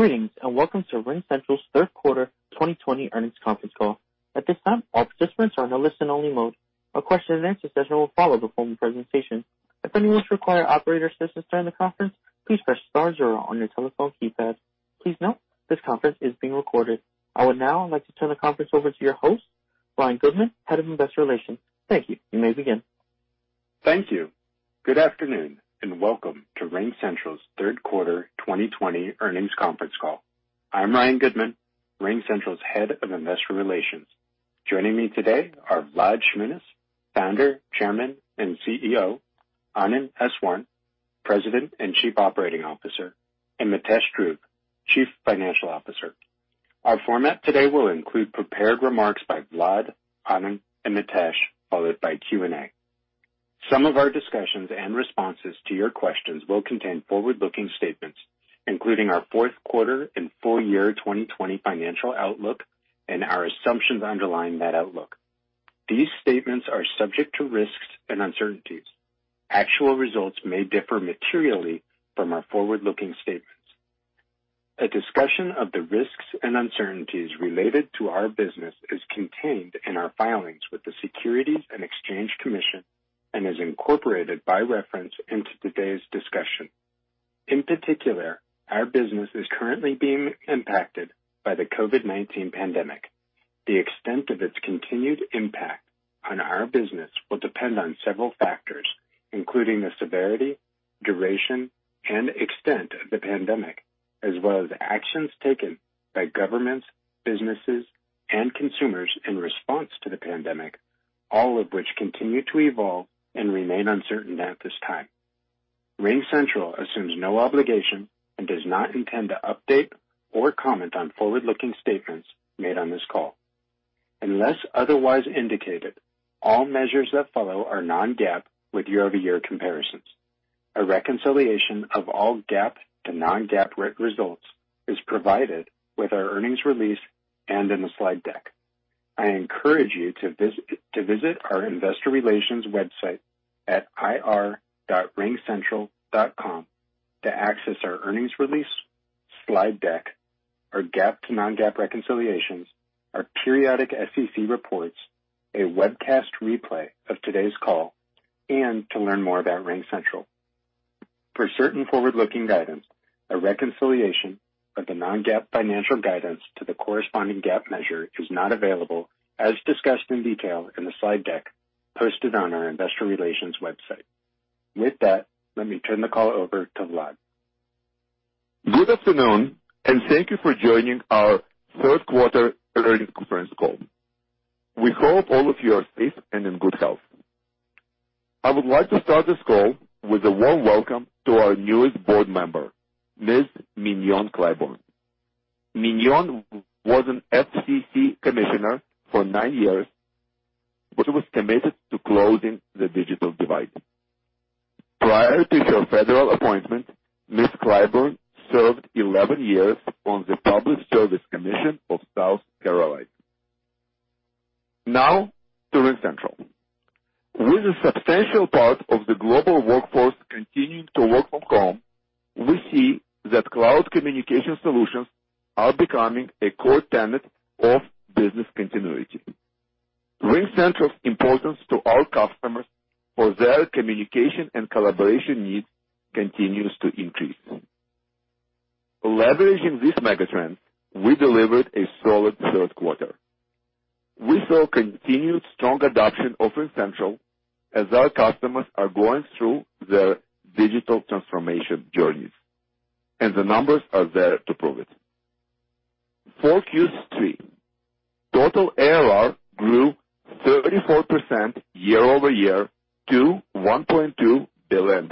Greetings, welcome to RingCentral's third quarter 2020 earnings conference call. At this time, all participants are in a listen-only mode. A question and answer session will follow the formal presentation. If anyone requires operator assistance during the conference, please press star zero on your telephone keypad. Please note, this conference is being recorded. I would now like to turn the conference over to your host, Ryan Goodman, Head of Investor Relations. Thank you. You may begin. Thank you. Good afternoon, and welcome to RingCentral's third quarter 2020 earnings conference call. I'm Ryan Goodman, RingCentral's Head of Investor Relations. Joining me today are Vlad Shmunis, Founder, Chairman, and CEO; Anand Eswaran, President and Chief Operating Officer; and Mitesh Dhruv, Chief Financial Officer. Our format today will include prepared remarks by Vlad, Anand, and Mitesh, followed by Q&A. Some of our discussions and responses to your questions will contain forward-looking statements, including our fourth quarter and full year 2020 financial outlook and our assumptions underlying that outlook. These statements are subject to risks and uncertainties. Actual results may differ materially from our forward-looking statements. A discussion of the risks and uncertainties related to our business is contained in our filings with the Securities and Exchange Commission and is incorporated by reference into today's discussion. In particular, our business is currently being impacted by the COVID-19 pandemic. The extent of its continued impact on our business will depend on several factors, including the severity, duration, and extent of the pandemic, as well as actions taken by governments, businesses, and consumers in response to the pandemic, all of which continue to evolve and remain uncertain at this time. RingCentral assumes no obligation and does not intend to update or comment on forward-looking statements made on this call. Unless otherwise indicated, all measures that follow are non-GAAP with year-over-year comparisons. A reconciliation of all GAAP to non-GAAP results is provided with our earnings release and in the slide deck. I encourage you to visit our investor relations website at ir.ringcentral.com to access our earnings release, slide deck, our GAAP to non-GAAP reconciliations, our periodic SEC reports, a webcast replay of today's call, and to learn more about RingCentral. For certain forward-looking guidance, a reconciliation of the non-GAAP financial guidance to the corresponding GAAP measure is not available, as discussed in detail in the slide deck posted on our investor relations website. With that, let me turn the call over to Vlad. Good afternoon, and thank you for joining our third quarter earnings conference call. We hope all of you are safe and in good health. I would like to start this call with a warm welcome to our newest board member, Ms. Mignon Clyburn. Mignon was an FCC commissioner for nine years and was committed to closing the digital divide. Prior to her federal appointment, Ms. Clyburn served 11 years on the Public Service Commission of South Carolina. Now, to RingCentral. With a substantial part of the global workforce continuing to work from home, we see that cloud communication solutions are becoming a core tenet of business continuity. RingCentral's importance to our customers for their communication and collaboration needs continues to increase. Leveraging this mega-trend, we delivered a solid third quarter. We saw continued strong adoption of RingCentral as our customers are going through their digital transformation journeys. The numbers are there to prove it. For Q3, total ARR grew 34% year-over-year to $1.2 billion.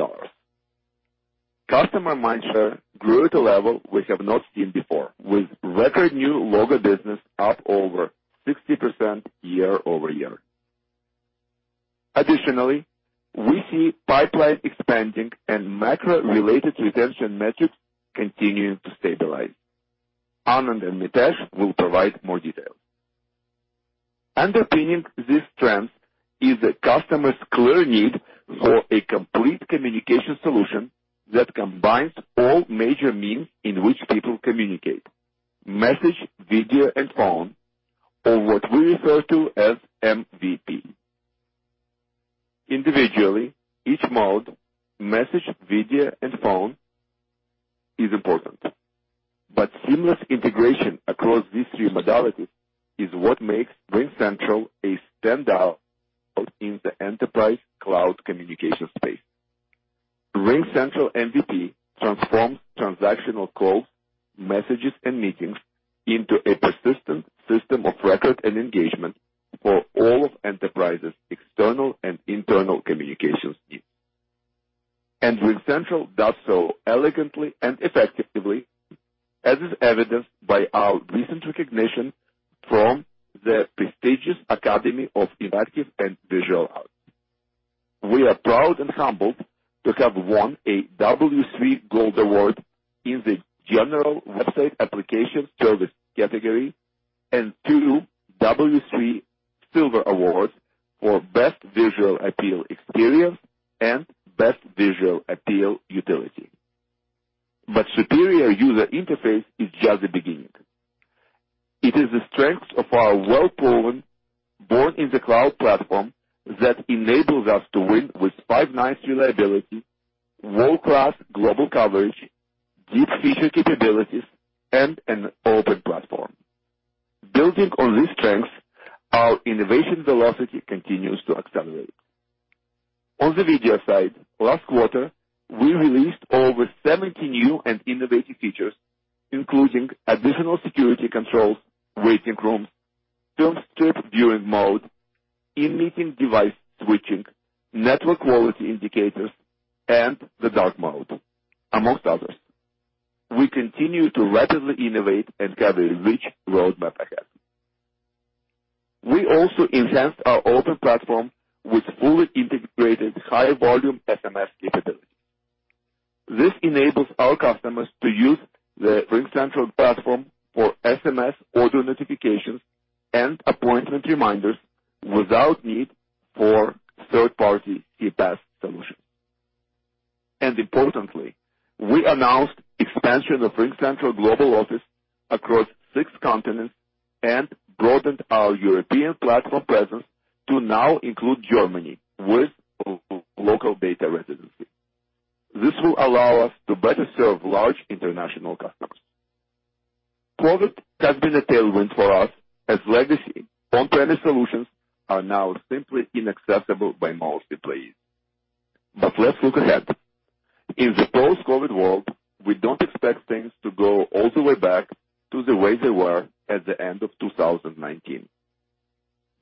Customer mindshare grew at a level we have not seen before, with record new logo business up over 60% year-over-year. We see pipeline expanding and macro-related retention metrics continuing to stabilize. Anand and Mitesh will provide more details. Underpinning this trend is a customer's clear need for a complete communication solution that combines all major means in which people communicate. Message, video, and phone, or what we refer to as MVP. Individually, each mode, message, video, and phone, is important. Seamless integration across these three modalities is what makes RingCentral a standout in the enterprise cloud communication space. RingCentral MVP transforms transactional calls, messages, and meetings into a persistent system of record and engagement for all of enterprise's external and internal communications needs. RingCentral does so elegantly and effectively, as is evidenced by our recent recognition from the prestigious Academy of Interactive & Visual Arts. We are proud and humbled to have won a W3 Gold Award in the General Website Application Service category and two W3 Silver Awards for best visual appeal experience and best visual appeal utility. Superior user interface is just the beginning. It is the strength of our well-proven, born-in-the-cloud platform that enables us to win with five nines reliability, world-class global coverage, deep feature capabilities, and an open platform. Building on these strengths, our innovation velocity continues to accelerate. On the video side, last quarter, we released over 70 new and innovative features, including additional security controls, waiting rooms, film strip viewing mode, in-meeting device switching, network quality indicators, and the dark mode, amongst others. We continue to rapidly innovate and have a rich roadmap ahead. We also enhanced our open platform with fully integrated high-volume SMS capability. This enables our customers to use the RingCentral platform for SMS order notifications and appointment reminders without need for third-party CPaaS solutions. Importantly, we announced expansion of RingCentral Global Office across six continents and broadened our European platform presence to now include Germany with local data residency. This will allow us to better serve large international customers. COVID has been a tailwind for us as legacy on-premise solutions are now simply inaccessible by most employees. Let's look ahead. In the post-COVID-19 world, we don't expect things to go all the way back to the way they were at the end of 2019.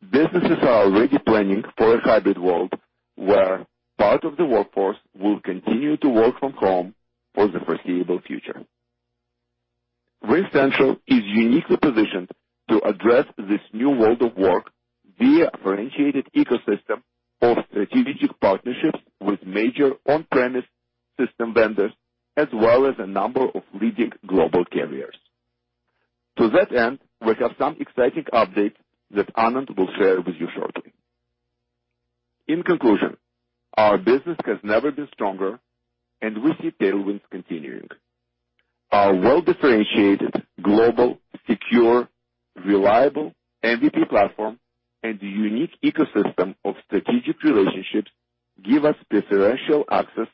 Businesses are already planning for a hybrid world where part of the workforce will continue to work from home for the foreseeable future. RingCentral is uniquely positioned to address this new world of work via a differentiated ecosystem of strategic partnerships with major on-premise system vendors, as well as a number of leading global carriers. To that end, we have some exciting updates that Anand will share with you shortly. In conclusion, our business has never been stronger, and we see tailwinds continuing. Our well-differentiated, global, secure, reliable MVP platform and unique ecosystem of strategic relationships give us preferential access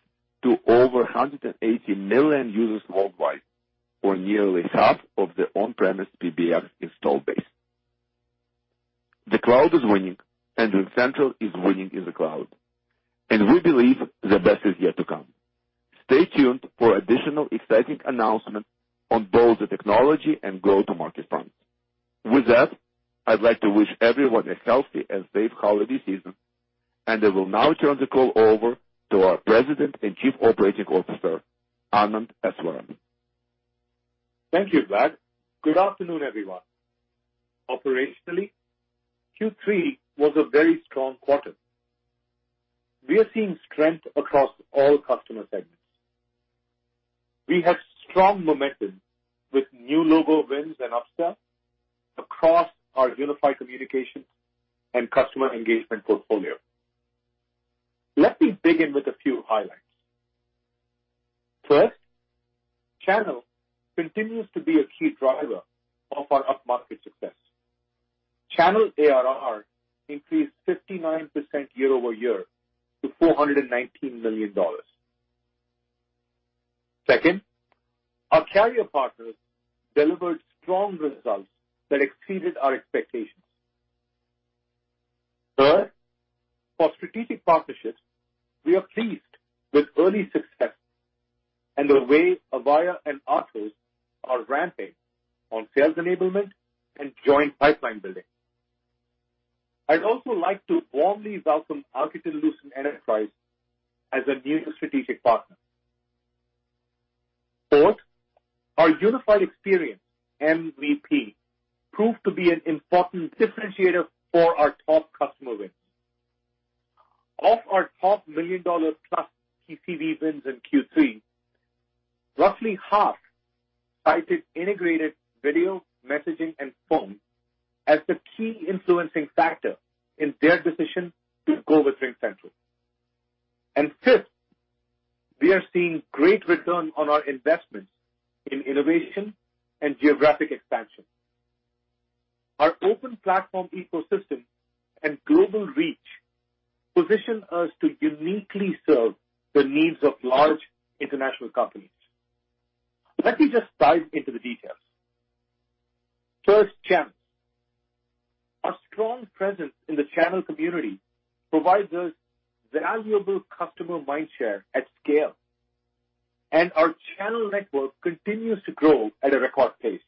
to over 180 million users worldwide, or nearly half of the on-premise PBX install base. The cloud is winning, and RingCentral is winning in the cloud, and we believe the best is yet to come. Stay tuned for additional exciting announcements on both the technology and go-to-market front. With that, I'd like to wish everyone a healthy and safe holiday season, and I will now turn the call over to our President and Chief Operating Officer, Anand Eswaran. Thank you, Vlad. Good afternoon, everyone. Operationally, Q3 was a very strong quarter. We are seeing strength across all customer segments. We have strong momentum with new logo wins and upsell across our unified communications and customer engagement portfolio. Let me begin with a few highlights. Channel continues to be a key driver of our up-market success. Channel ARR increased 59% year-over-year to $419 million. Our carrier partners delivered strong results that exceeded our expectations. For strategic partnerships, we are pleased with early success and the way Avaya and Atos are ramping on sales enablement and joint pipeline building. I'd also like to warmly welcome Alcatel-Lucent Enterprise as a new strategic partner. Our unified experience, MVP, proved to be an important differentiator for our top customer wins. Of our top million-dollar plus TCV wins in Q3, roughly half cited integrated video messaging and phone as the key influencing factor in their decision to go with RingCentral. Fifth, we are seeing great return on our investments in innovation and geographic expansion. Our open platform ecosystem and global reach position us to uniquely serve the needs of large international companies. Let me just dive into the details. First, channels. Our strong presence in the channel community provides us valuable customer mindshare at scale, and our channel network continues to grow at a record pace.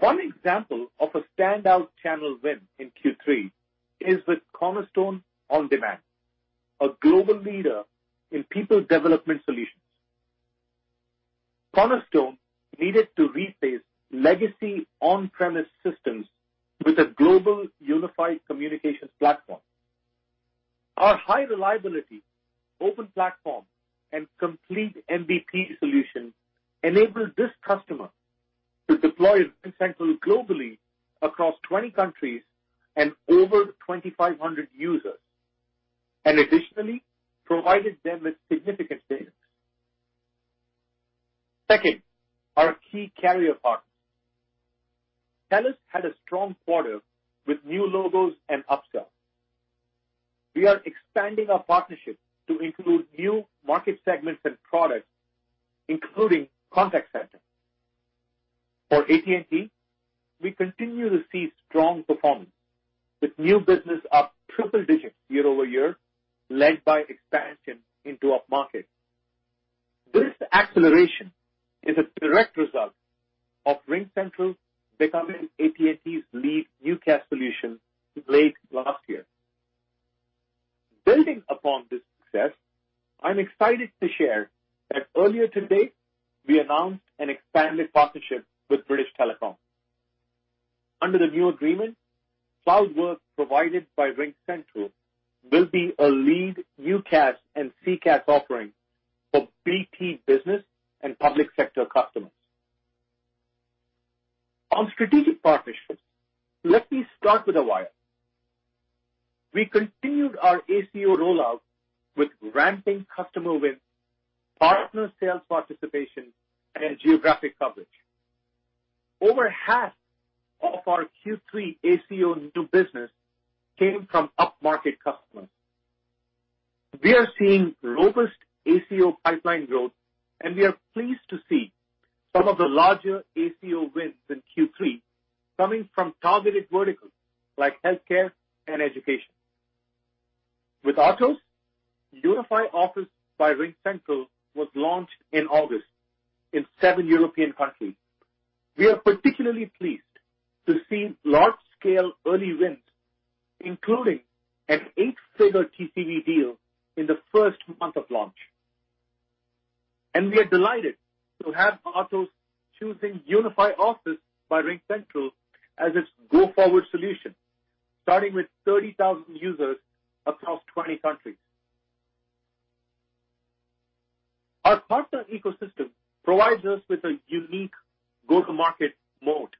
One example of a standout channel win in Q3 is with Cornerstone OnDemand, a global leader in people development solutions. Cornerstone needed to replace legacy on-premise systems with a global unified communications platform. Our high reliability, open platform, and complete MVP solution enabled this customer to deploy RingCentral globally across 20 countries and over 2,500 users, and additionally, provided them with significant savings. Our key carrier partners. TELUS had a strong quarter with new logos and upsells. We are expanding our partnership to include new market segments and products, including contact center. For AT&T, we continue to see strong performance, with new business up triple digits year-over-year, led by expansion into up-market. This acceleration is a direct result of RingCentral becoming AT&T's lead UCaaS solution late last year. Building upon this success, I'm excited to share that earlier today, we announced an expanded partnership with British Telecom. Under the new agreement, Cloud Work provided by RingCentral will be a lead UCaaS and CCaaS offering for BT business and public sector customers. On strategic partnerships, let me start with Avaya. We continued our ACO rollout with ramping customer wins, partner sales participation, and geographic coverage. Over half of our Q3 ACO new business came from up-market customers. We are seeing robust ACO pipeline growth, and we are pleased to see some of the larger ACO wins in Q3 coming from targeted verticals like healthcare and education. With Atos, Unify Office by RingCentral was launched in August in seven European countries. We are particularly pleased to see large-scale early wins, including an eight-figure TCV deal in the first month of launch. We are delighted to have Atos choosing Unify Office by RingCentral as its go-forward solution, starting with 30,000 users across 20 countries. Our partner ecosystem provides us with a unique go-to market mode.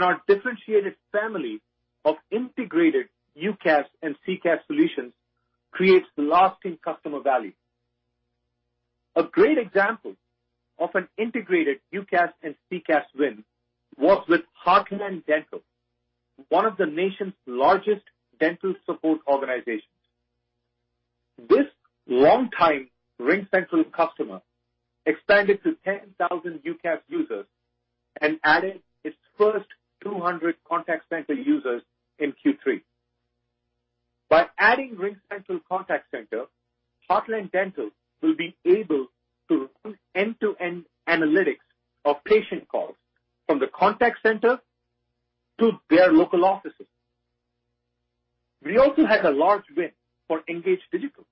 Our differentiated family of integrated UCaaS and CCaaS solutions creates lasting customer value. A great example of an integrated UCaaS and CCaaS win was with Heartland Dental, one of the nation's largest dental support organizations. This long-time RingCentral customer expanded to 10,000 UCaaS users and added its first 200 contact center users in Q3. By adding RingCentral Contact Center, Heartland Dental will be able to run end-to-end analytics of patient calls from the contact center to their local offices. We also had a large win for Engage Digital,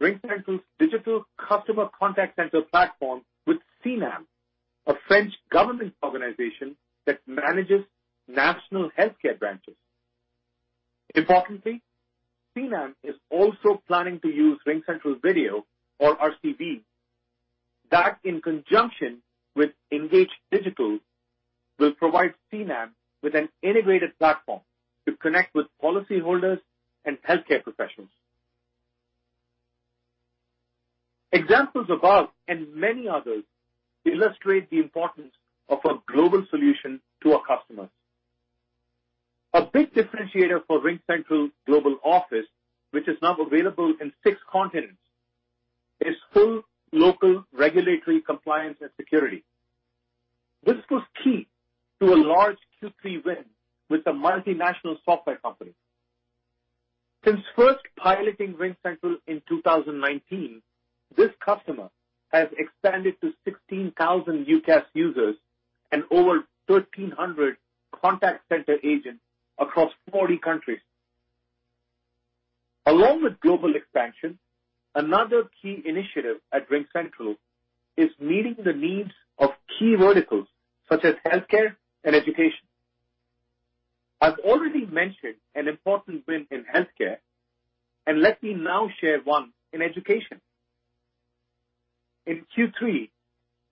RingCentral's digital customer engagement platform with CNAM, a French government organization that manages national healthcare branches. Importantly, CNAM is also planning to use RingCentral Video or RCV. That, in conjunction with Engage Digital, will provide CNAM with an integrated platform to connect with policyholders and healthcare professionals. Examples above and many others illustrate the importance of a global solution to our customers. A big differentiator for RingCentral Global Office, which is now available in six continents, is full local regulatory compliance and security. This was key to a large Q3 win with a multinational software company. Since first piloting RingCentral in 2019, this customer has expanded to 16,000 UCaaS users and over 1,300 contact center agents across 40 countries. Along with global expansion, another key initiative at RingCentral is meeting the needs of key verticals such as healthcare and education. I've already mentioned an important win in healthcare, and let me now share one in education. In Q3,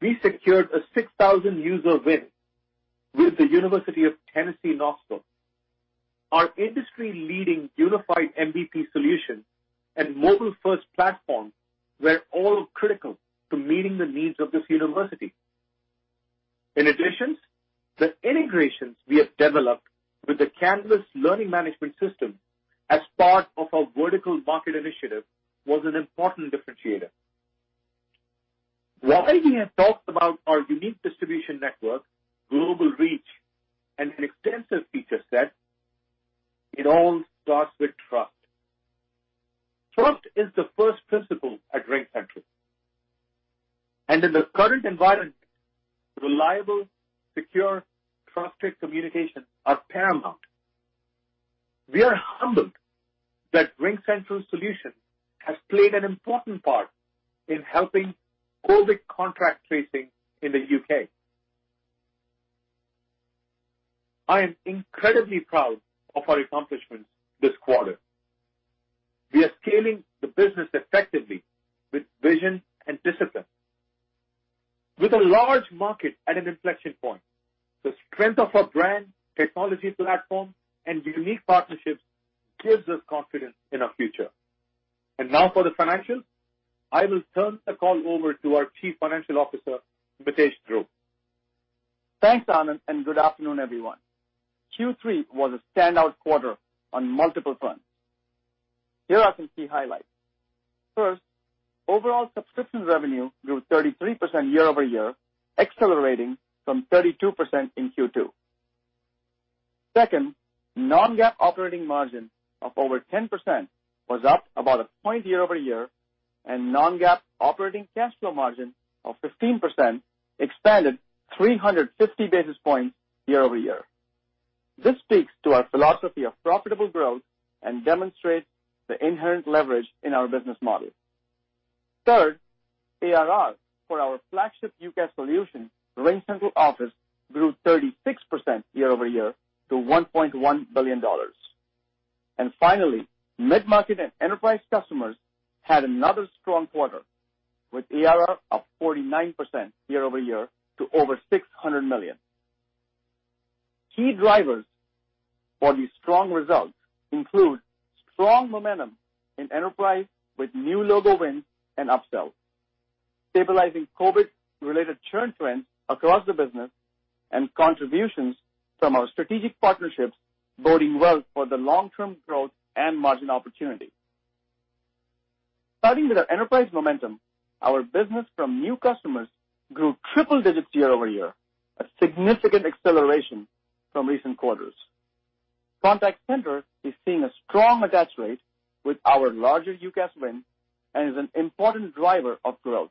we secured a 6,000-user win with the University of Tennessee, Knoxville. Our industry-leading unified MVP solution and mobile-first platform were all critical to meeting the needs of this university. In addition, the integrations we have developed with the campus learning management system as part of our vertical market initiative was an important differentiator. While we have talked about our unique distribution network, global reach, and an extensive feature set, it all starts with trust. Trust is the first principle at RingCentral, in the current environment, reliable, secure, trusted communication are paramount. We are humbled that RingCentral's solution has played an important part in helping COVID contact tracing in the U.K. I am incredibly proud of our accomplishments this quarter. We are scaling the business effectively with vision and discipline. With a large market at an inflection point, the strength of our brand, technology platform, and unique partnerships gives us confidence in our future. Now for the financials, I will turn the call over to our Chief Financial Officer, Mitesh Dhruv. Thanks, Anand. Good afternoon, everyone. Q3 was a standout quarter on multiple fronts. Here are some key highlights. First, overall subscription revenue grew 33% year-over-year, accelerating from 32% in Q2. Second, non-GAAP operating margin of over 10% was up about a point year-over-year. Non-GAAP operating cash flow margin of 15% expanded 350 basis points year-over-year. This speaks to our philosophy of profitable growth and demonstrates the inherent leverage in our business model. Third, ARR for our flagship UCaaS solution, RingCentral Office, grew 36% year-over-year to $1.1 billion. Finally, mid-market and enterprise customers had another strong quarter, with ARR up 49% year-over-year to over $600 million. Key drivers for these strong results include strong momentum in enterprise with new logo wins and upsells, stabilizing COVID-related churn trends across the business, and contributions from our strategic partnerships boding well for the long-term growth and margin opportunity. Starting with our enterprise momentum, our business from new customers grew triple digits year-over-year, a significant acceleration from recent quarters. Contact center is seeing a strong attach rate with our larger UCaaS win and is an important driver of growth.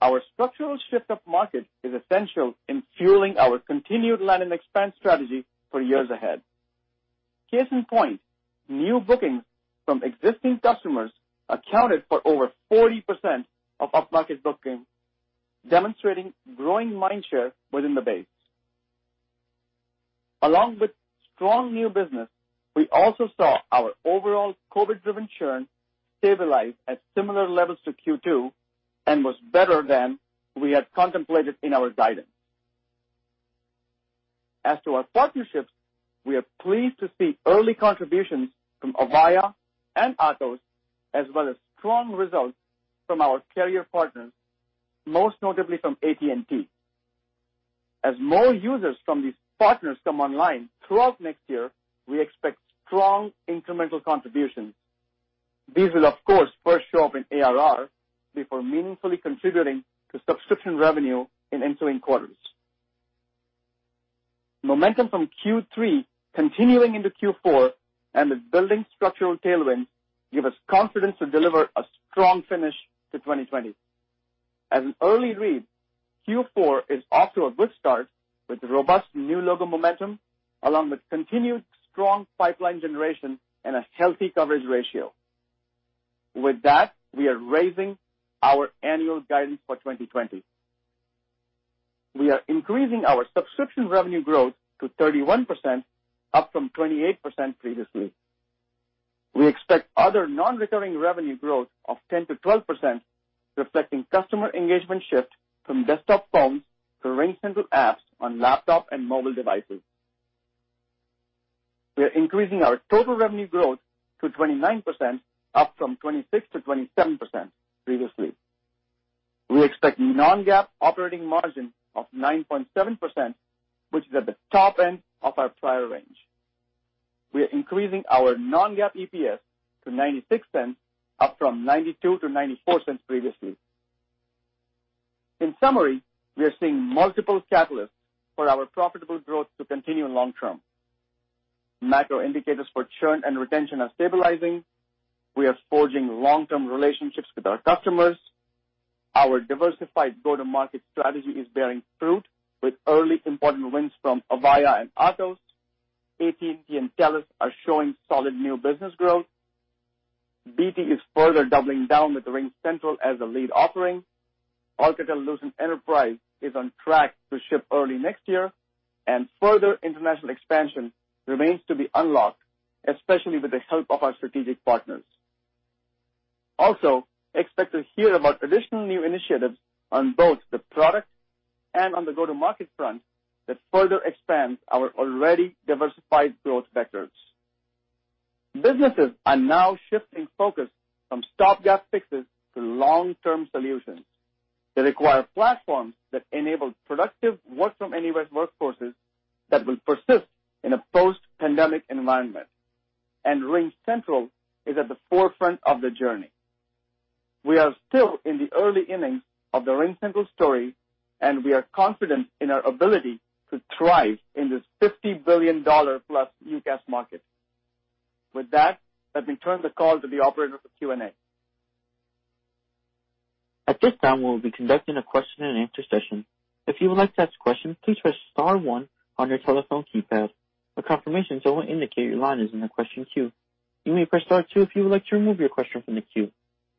Our structural shift of market is essential in fueling our continued land-and-expand strategy for years ahead. Case in point, new bookings from existing customers accounted for over 40% of up-market bookings, demonstrating growing mind share within the base. Along with strong new business, we also saw our overall COVID-driven churn stabilize at similar levels to Q2 and was better than we had contemplated in our guidance. As to our partnerships, we are pleased to see early contributions from Avaya and Atos, as well as strong results from our carrier partners, most notably from AT&T. As more users from these partners come online throughout next year, we expect strong incremental contributions. These will, of course, first show up in ARR before meaningfully contributing to subscription revenue in ensuing quarters. Momentum from Q3 continuing into Q4 and the building structural tailwinds give us confidence to deliver a strong finish to 2020. As an early read, Q4 is off to a good start with robust new logo momentum, along with continued strong pipeline generation and a healthy coverage ratio. We are raising our annual guidance for 2020. We are increasing our subscription revenue growth to 31%, up from 28% previously. We expect other non-recurring revenue growth of 10%-12%, reflecting customer engagement shift from desktop phones to RingCentral apps on laptop and mobile devices. We are increasing our total revenue growth to 29%, up from 26%-27% previously. We expect non-GAAP operating margin of 9.7%, which is at the top end of our prior range. We are increasing our non-GAAP EPS to $0.96, up from $0.92-$0.94 previously. In summary, we are seeing multiple catalysts for our profitable growth to continue long-term. Macro indicators for churn and retention are stabilizing. We are forging long-term relationships with our customers. Our diversified go-to-market strategy is bearing fruit with early important wins from Avaya and Atos. AT&T and TELUS are showing solid new business growth. BT is further doubling down with RingCentral as a lead offering. Alcatel-Lucent Enterprise is on track to ship early next year, and further international expansion remains to be unlocked, especially with the help of our strategic partners. Expect to hear about additional new initiatives on both the product and on the go-to-market front that further expand our already diversified growth vectors. Businesses are now shifting focus from stopgap fixes to long-term solutions that require platforms that enable productive work-from-anywhere workforces that will persist in a post-pandemic environment. RingCentral is at the forefront of the journey. We are still in the early innings of the RingCentral story, and we are confident in our ability to thrive in this $50 billion+ UCaaS market. With that, let me turn the call to the operator for Q&A. At this time, we will be conducting a question and answer session. If you would like to ask a question, please press star one on your telephone keypad. A confirmation tone will indicate your line is in the question queue. You may press star two if you would like to remove your question from the queue.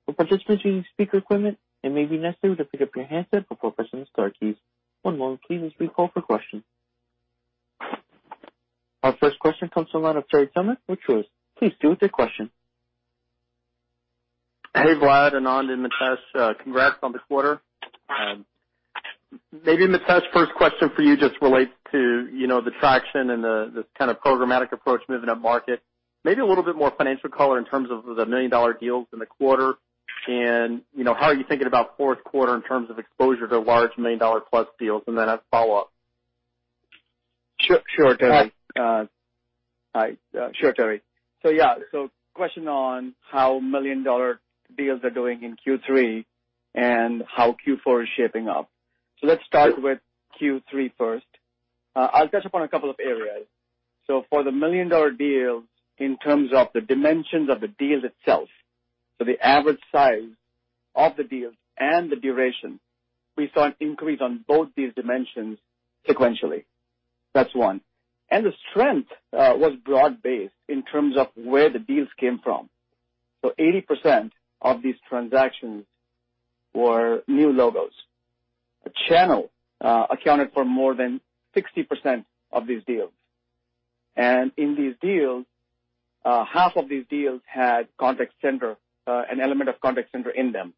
We request that you use the speaker equipment and may be necessary to pick up your handset before pressing star keys. One more please as we queue the questions. Our first question comes from the line of Terry Tillman with Truist. Please go with your question. Hey, Vlad, Anand, and Mitesh. Congrats on the quarter. Maybe, Mitesh, first question for you just relates to the traction and the kind of programmatic approach moving up market. Maybe a little bit more financial color in terms of the million-dollar deals in the quarter, and how are you thinking about fourth quarter in terms of exposure to large million-dollar-plus deals then I'll follow-up. Sure, Terry. Question on how million-dollar deals are doing in Q3 and how Q4 is shaping up. Let's start with Q3 first. I'll touch upon a couple of areas. For the million-dollar deals, in terms of the dimensions of the deals itself, the average size of the deals and the duration, we saw an increase on both these dimensions sequentially. That's one. The strength was broad-based in terms of where the deals came from. 80% of these transactions were new logos. The channel accounted for more than 60% of these deals. In these deals, half of these deals had an element of Contact Center in them.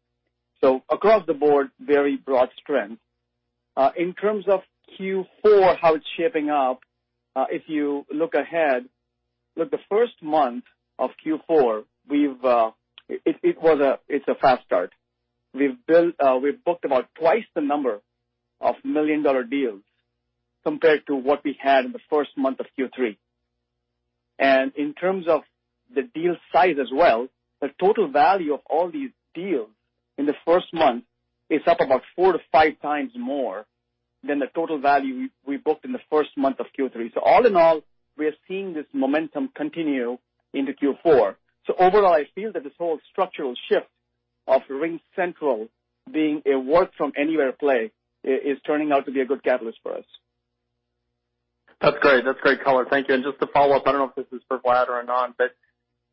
Across the board, very broad strength. In terms of Q4, how it's shaping up, if you look ahead, the first month of Q4, it's a fast start. We've booked about twice the number of million-dollar deals compared to what we had in the first month of Q3. In terms of the deal size as well, the total value of all these deals in the first month is up about four to five times more than the total value we booked in the first month of Q3. All in all, we are seeing this momentum continue into Q4. Overall, I feel that this whole structural shift of RingCentral being a work-from-anywhere play is turning out to be a good catalyst for us. That's great color. Thank you. Just to follow up, I don't know if this is for Vlad or Anand, but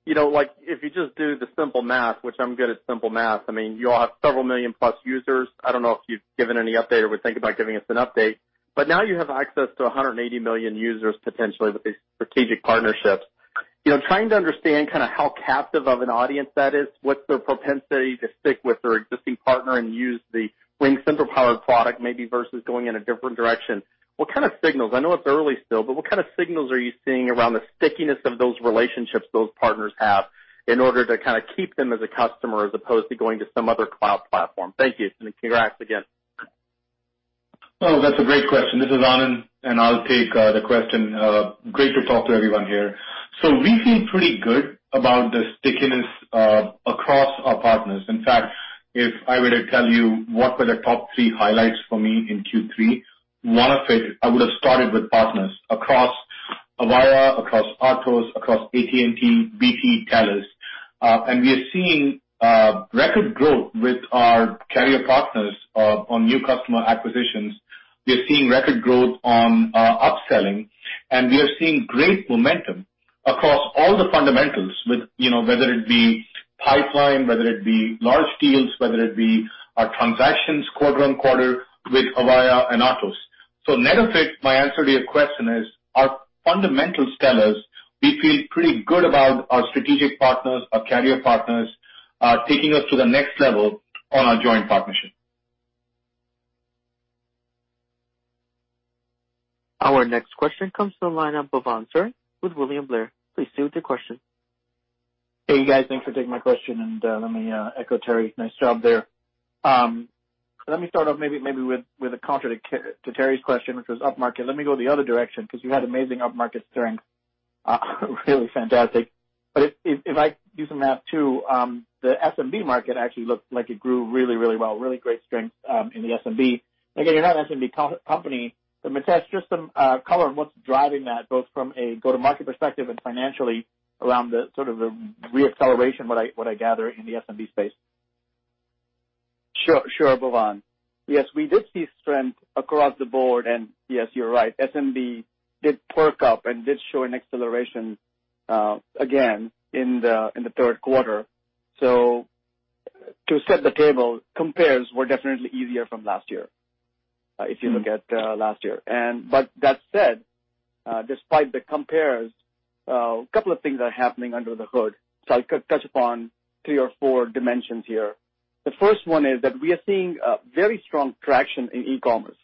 if you just do the simple math, which I'm good at simple math, you all have several million plus users. I don't know if you've given any update or would think about giving us an update, but now you have access to 180 million users potentially with these strategic partnerships. Trying to understand kind of how captive of an audience that is, what's their propensity to stick with their existing partner and use the RingCentral powered product maybe versus going in a different direction. I know it's early still, but what kind of signals are you seeing around the stickiness of those relationships those partners have in order to kind of keep them as a customer as opposed to going to some other cloud platform? Thank you, and congrats again. Oh, that's a great question. This is Anand. I'll take the question. Great to talk to everyone here. We feel pretty good about the stickiness across our partners. In fact, if I were to tell you what were the top three highlights for me in Q3, one of it, I would have started with partners across Avaya, across Atos, across AT&T, BT, TELUS. We are seeing record growth with our carrier partners on new customer acquisitions. We are seeing record growth on upselling, and we are seeing great momentum across all the fundamentals with whether it be pipeline, whether it be large deals, whether it be our transactions quarter-on-quarter with Avaya and Atos. Net of it, my answer to your question is our fundamentals tell us we feel pretty good about our strategic partners, our carrier partners, taking us to the next level on our joint partnership. Our next question comes from the line of Bhavan with William Blair. Please proceed with your question. Hey, guys. Thanks for taking my question. Let me echo Terry. Nice job there. Let me start off maybe with a contradict to Terry's question, which was up market. Let me go the other direction because you had amazing up market strength. Really fantastic. If I do some math too, the SMB market actually looked like it grew really well, really great strength in the SMB. Again, you're not an SMB company, Mitesh, just some color on what's driving that, both from a go-to-market perspective and financially around the sort of the re-acceleration, what I gather, in the SMB space. Sure, Bhavan. Yes, we did see strength across the board. Yes, you're right, SMB did perk up and did show an acceleration again in the third quarter. To set the table, compares were definitely easier from last year, if you look at last year. That said, despite the compares, a couple of things are happening under the hood. I'll touch upon three or four dimensions here. The first one is that we are seeing very strong traction in e-commerce.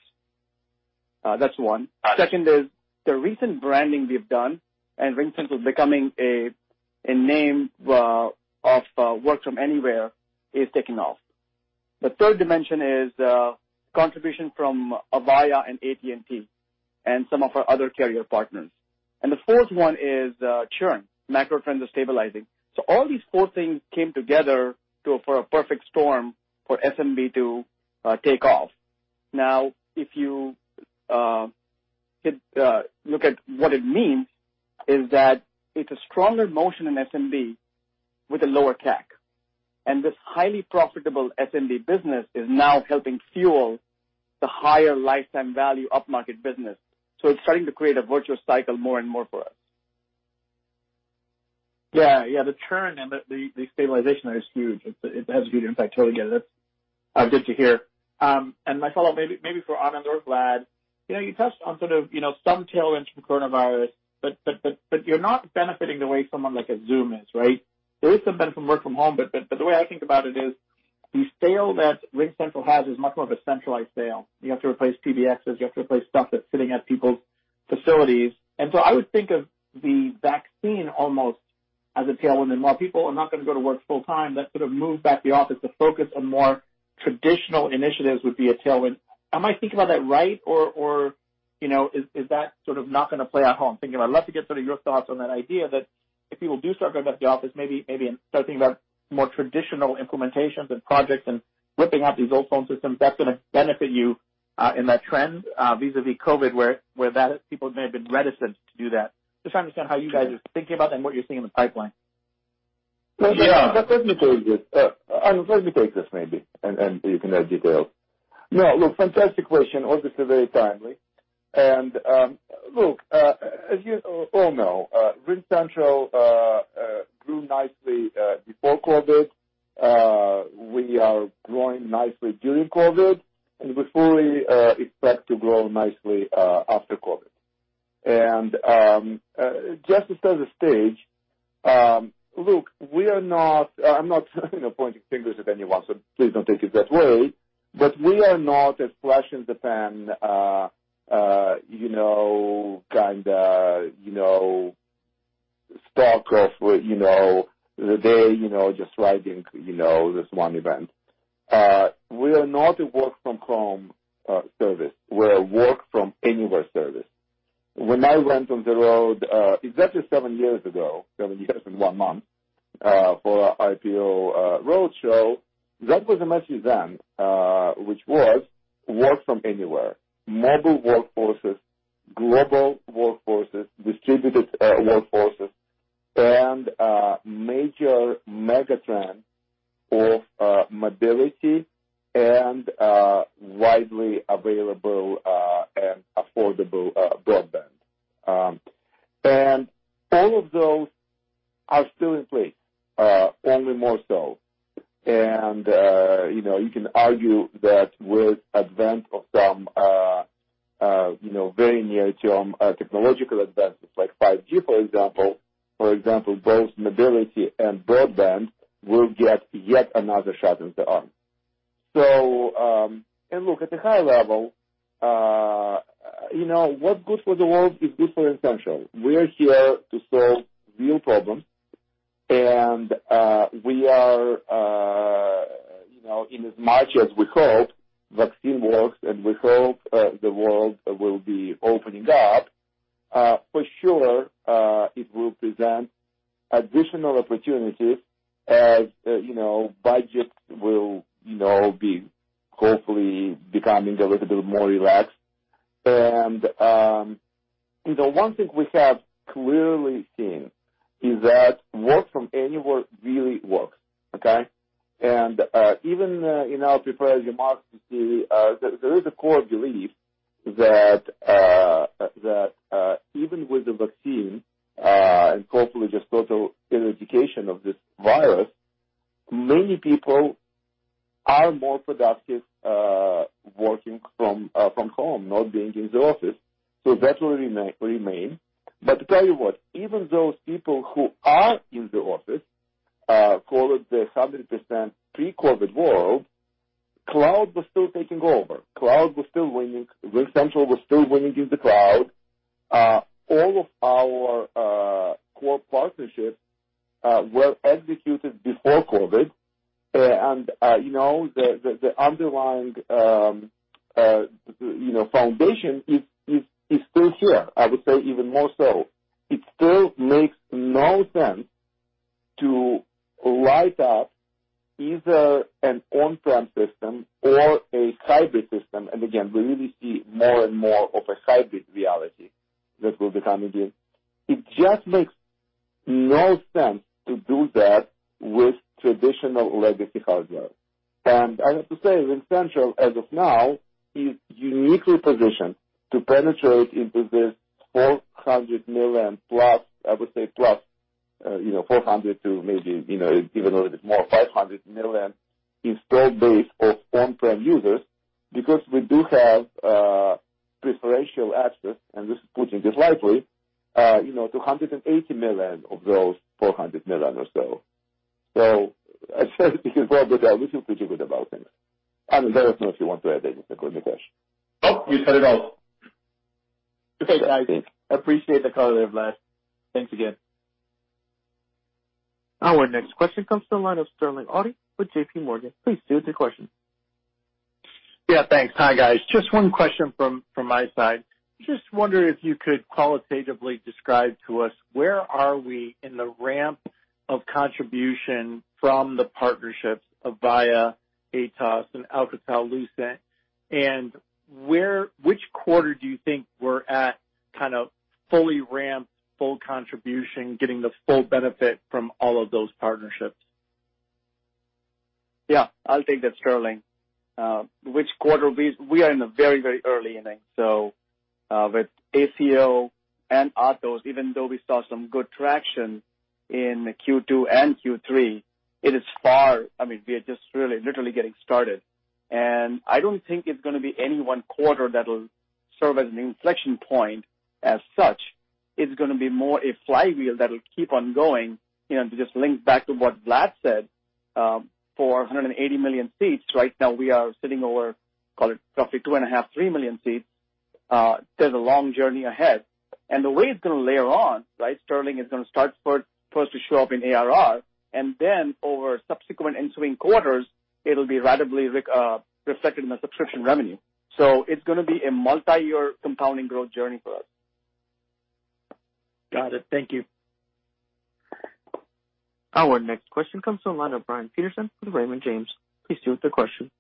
That's one. Second is the recent branding we've done and RingCentral becoming a name of work from anywhere is taking off. The third dimension is contribution from Avaya and AT&T and some of our other carrier partners. The fourth one is churn, macro trends are stabilizing. All these four things came together for a perfect storm for SMB to take off. If you look at what it means is that it's a stronger motion in SMB with a lower CAC. This highly profitable SMB business is now helping fuel the higher lifetime value upmarket business. It's starting to create a virtuous cycle more and more for us. Yeah. The churn and the stabilization there is huge. It has a huge impact. Totally get it. Good to hear. My follow-up, maybe for Anand or Vlad. You touched on sort of some tailwinds from coronavirus, but you're not benefiting the way someone like a Zoom is, right? There is some benefit from work from home, but the way I think about it is the scale that RingCentral has is much more of a centralized sale. You have to replace PBXs, you have to replace stuff that's sitting at people's facilities. I would think of the vaccine almost as a tailwind. While people are not going to go to work full-time, that sort of move back to the office to focus on more traditional initiatives would be a tailwind. Am I thinking about that right? Is that sort of not going to play at home? Thinking I'd love to get sort of your thoughts on that idea that if people do start going back to the office, maybe in starting about more traditional implementations and projects and ripping out these old phone systems, that's going to benefit you, in that trend, vis-a-vis COVID, where people may have been reticent to do that. Just trying to understand how you guys are thinking about that and what you're seeing in the pipeline. Yeah. Let me take this. Anand, let me take this maybe, and you can add details. Look, fantastic question. Obviously very timely. Look, as you all know, RingCentral grew nicely before COVID. We are growing nicely during COVID, and we fully expect to grow nicely after COVID. Just to set the stage, look, I'm not pointing fingers at anyone, so please don't take it that way. We are not a flash-in-the-pan stock of the day, just riding this one event. We are not a work-from-home service. We're a work-from-anywhere service. When I went on the road exactly seven years ago, seven years and one month, for our IPO roadshow, that was a message then, which was work from anywhere. Mobile workforces, global workforces, distributed workforces, and major megatrend of mobility and widely available and affordable broadband. All of those are still in place, only more so. You can argue that with advent of some very near-term technological advances like 5G, for example, both mobility and broadband will get yet another shot in the arm. Look, at the high level, what's good for the world is good for RingCentral. We are here to solve real problems, and we are in as much as we hope vaccine works, and we hope the world will be opening up. For sure, it will present additional opportunities as budgets will be hopefully becoming a little bit more relaxed. The one thing we have clearly seen is that work from anywhere really works, okay. Even in our prepared remarks, you see there is a core belief that even with the vaccine, and hopefully just total eradication of this virus, many people are more productive working from home, not being in the office. That will remain. To tell you what, even those people who are in the office, call it the 100% pre-COVID world, cloud was still taking over. Cloud was still winning. RingCentral was still winning in the cloud. All of our core partnerships were executed before COVID, and the underlying foundation is still here, I would say even more so. It still makes no sense to write up either an on-prem system or a hybrid system. Again, we really see more and more of a hybrid reality that will be coming in. It just makes no sense to do that with traditional legacy hardware. I have to say, RingCentral, as of now, is uniquely positioned to penetrate into this 400 million+, I would say plus, 400 million to maybe even a little bit more, 500 million installed base of on-prem users because we do have preferential access, and this is putting it lightly, to 180 million of those 400 million or so. I said we feel pretty good about things. Anand, let us know if you want to add anything on the cash. No, you said it all. Okay, guys. Appreciate the color there, Vlad. Thanks again. Our next question comes to the line of Sterling Auty with JPMorgan. Please proceed with your question. Yeah, thanks. Hi, guys. Just one question from my side. Just wondering if you could qualitatively describe to us where are we in the ramp of contribution from the partnerships of Avaya, Atos and Alcatel-Lucent. Which quarter do you think we're at fully ramped, full contribution, getting the full benefit from all of those partnerships? Yeah, I'll take that, Sterling. Which quarter? We are in the very, very early inning. With ACO and Atos, even though we saw some good traction in Q2 and Q3, we are just really literally getting started. I don't think it's going to be any one quarter that'll serve as an inflection point as such. It's going to be more a flywheel that will keep on going. To just link back to what Vlad said, for 180 million seats, right now, we are sitting over, call it, roughly 2.3 million seats. There's a long journey ahead. The way it's going to layer on, right, Sterling, is going to start first to show up in ARR, and then over subsequent ensuing quarters, it'll be ratably reflected in the subscription revenue. It's going to be a multi-year compounding growth journey for us. Got it. Thank you. Our next question comes to the line of Brian Peterson from Raymond James. Please proceed with your question.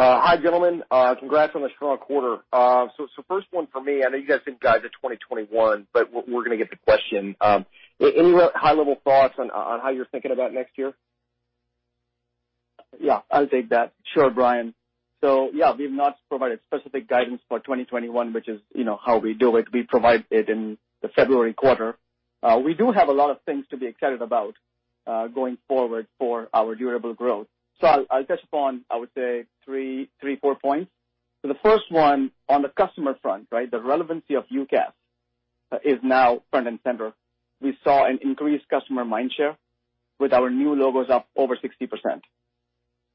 Hi, gentlemen. Congrats on a strong quarter. First one for me, I know you guys think guide to 2021, but we're going to get the question. Any high-level thoughts on how you're thinking about next year? I'll take that. Sure, Brian. We've not provided specific guidance for 2021, which is how we do it. We provide it in the February quarter. We do have a lot of things to be excited about, going forward for our durable growth. I'll touch upon, I would say three, four points. The first one, on the customer front, the relevancy of UCaaS is now front and center. We saw an increased customer mind share with our new logos up over 60%.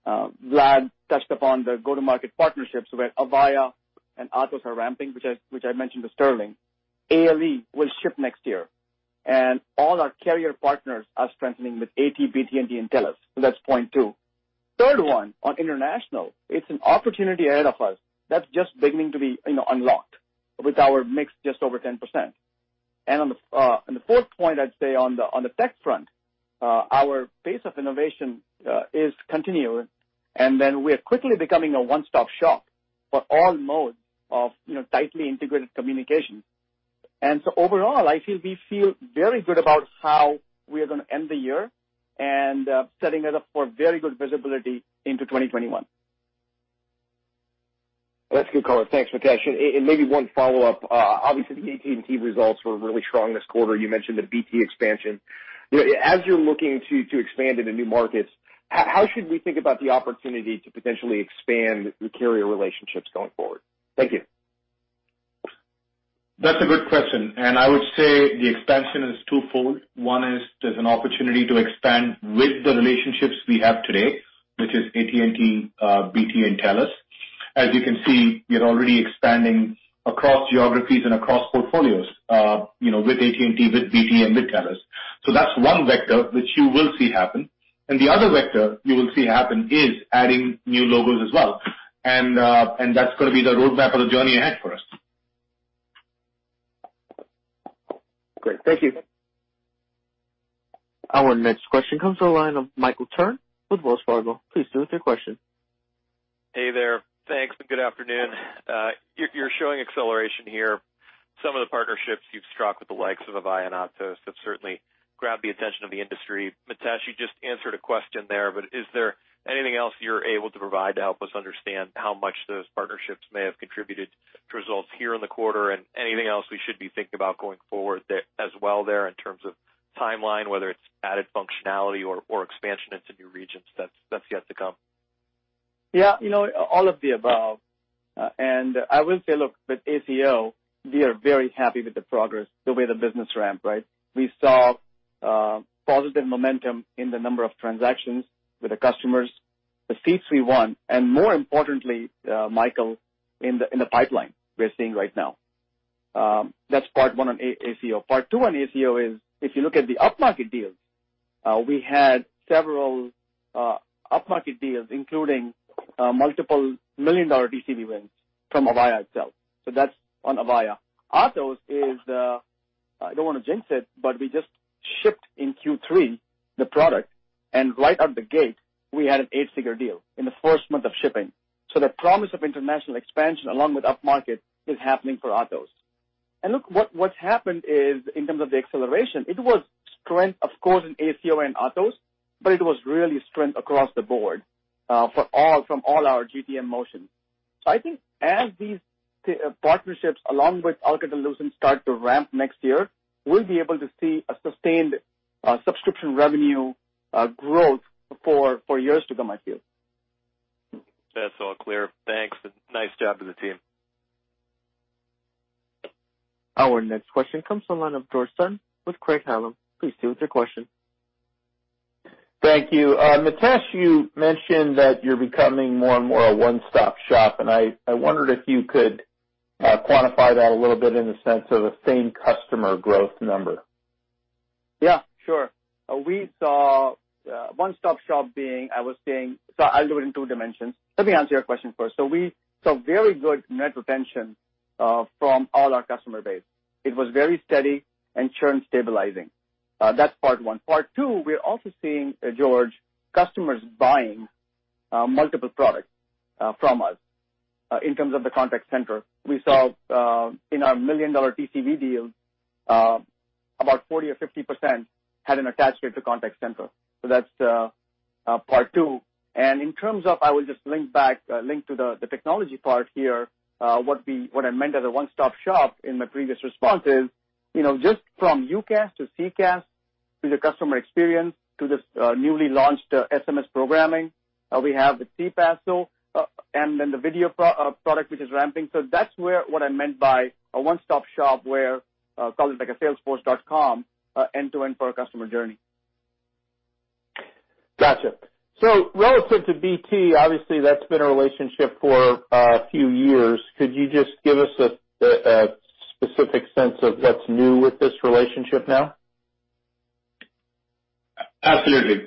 Vlad touched upon the go-to-market partnerships with Avaya and Atos are ramping, which I mentioned with Sterling. ALE will ship next year, and all our carrier partners are strengthening with AT&T, BT, and TELUS. That's point two. Third one, on international, it's an opportunity ahead of us that's just beginning to be unlocked with our mix just over 10%. On the fourth point, I'd say on the tech front, our pace of innovation is continuing, and then we are quickly becoming a one-stop shop for all modes of tightly integrated communication. Overall, I feel we feel very good about how we are going to end the year and setting it up for very good visibility into 2021. That's good color. Thanks, Mitesh. Maybe one follow-up. Obviously, the AT&T results were really strong this quarter. You mentioned the BT expansion. As you're looking to expand into new markets, how should we think about the opportunity to potentially expand your carrier relationships going forward? Thank you. That's a good question. I would say the expansion is twofold. One is there's an opportunity to expand with the relationships we have today, which is AT&T, BT, and TELUS. As you can see, we are already expanding across geographies and across portfolios, with AT&T, with BT, and with TELUS. That's one vector which you will see happen. The other vector you will see happen is adding new logos as well. That's going to be the roadmap of the journey ahead for us. Great. Thank you. Our next question comes to the line of Michael Turrin with Wells Fargo. Please proceed with your question. Hey there. Thanks, good afternoon. You're showing acceleration here. Some of the partnerships you've struck with the likes of Avaya and Atos have certainly grabbed the attention of the industry. Mitesh, you just answered a question there, is there anything else you're able to provide to help us understand how much those partnerships may have contributed to results here in the quarter and anything else we should be thinking about going forward there as well in terms of timeline, whether it's added functionality or expansion into new regions that's yet to come? Yeah. All of the above. I will say, look, with ACO, we are very happy with the progress, the way the business ramp, right? We saw positive momentum in the number of transactions with the customers, the seats we won, and more importantly, Michael, in the pipeline we're seeing right now. That's part one on ACO. Part two on ACO is if you look at the up-market deals, we had several up-market deals, including multiple million-dollar TCV wins from Avaya itself. That's on Avaya. Atos is, I don't want to jinx it, but we just shipped in Q3 the product, and right out the gate, we had an eight-figure deal in the first month of shipping. The promise of international expansion along with upmarket is happening for Atos. Look, what's happened is in terms of the acceleration, it was strength, of course, in ALE and Atos, it was really strength across the board, from all our GTM motion. I think as these partnerships, along with Alcatel-Lucent start to ramp next year, we'll be able to see a sustained subscription revenue growth for years to come, I feel. That's all clear. Thanks, and nice job to the team. Our next question comes to the line of George Sutton with Craig-Hallum. Please proceed with your question. Thank you. Mitesh, you mentioned that you're becoming more and more a one-stop shop. I wondered if you could quantify that a little bit in the sense of a same customer growth number. Yeah, sure. We saw one-stop shop. I'll do it in two dimensions. Let me answer your question first. We saw very good net retention from all our customer base. It was very steady and churn stabilizing. That's part one. Part two, we are also seeing, George, customers buying multiple products from us in terms of the contact center. We saw in our million-dollar TCV deals, about 40% or 50% had an attachment to contact center. That's part two. In terms of, I will just link back to the technology part here, what I meant as a one-stop shop in my previous response is, just from UCaaS to CCaaS, to the customer experience, to this newly launched SMS programming, we have the CPaaS tool, and then the video product, which is ramping. That's what I meant by a one-stop shop where, call it like a salesforce.com end-to-end for a customer journey. Got you. Relative to BT, obviously, that's been a relationship for a few years. Could you just give us a specific sense of what's new with this relationship now? Absolutely.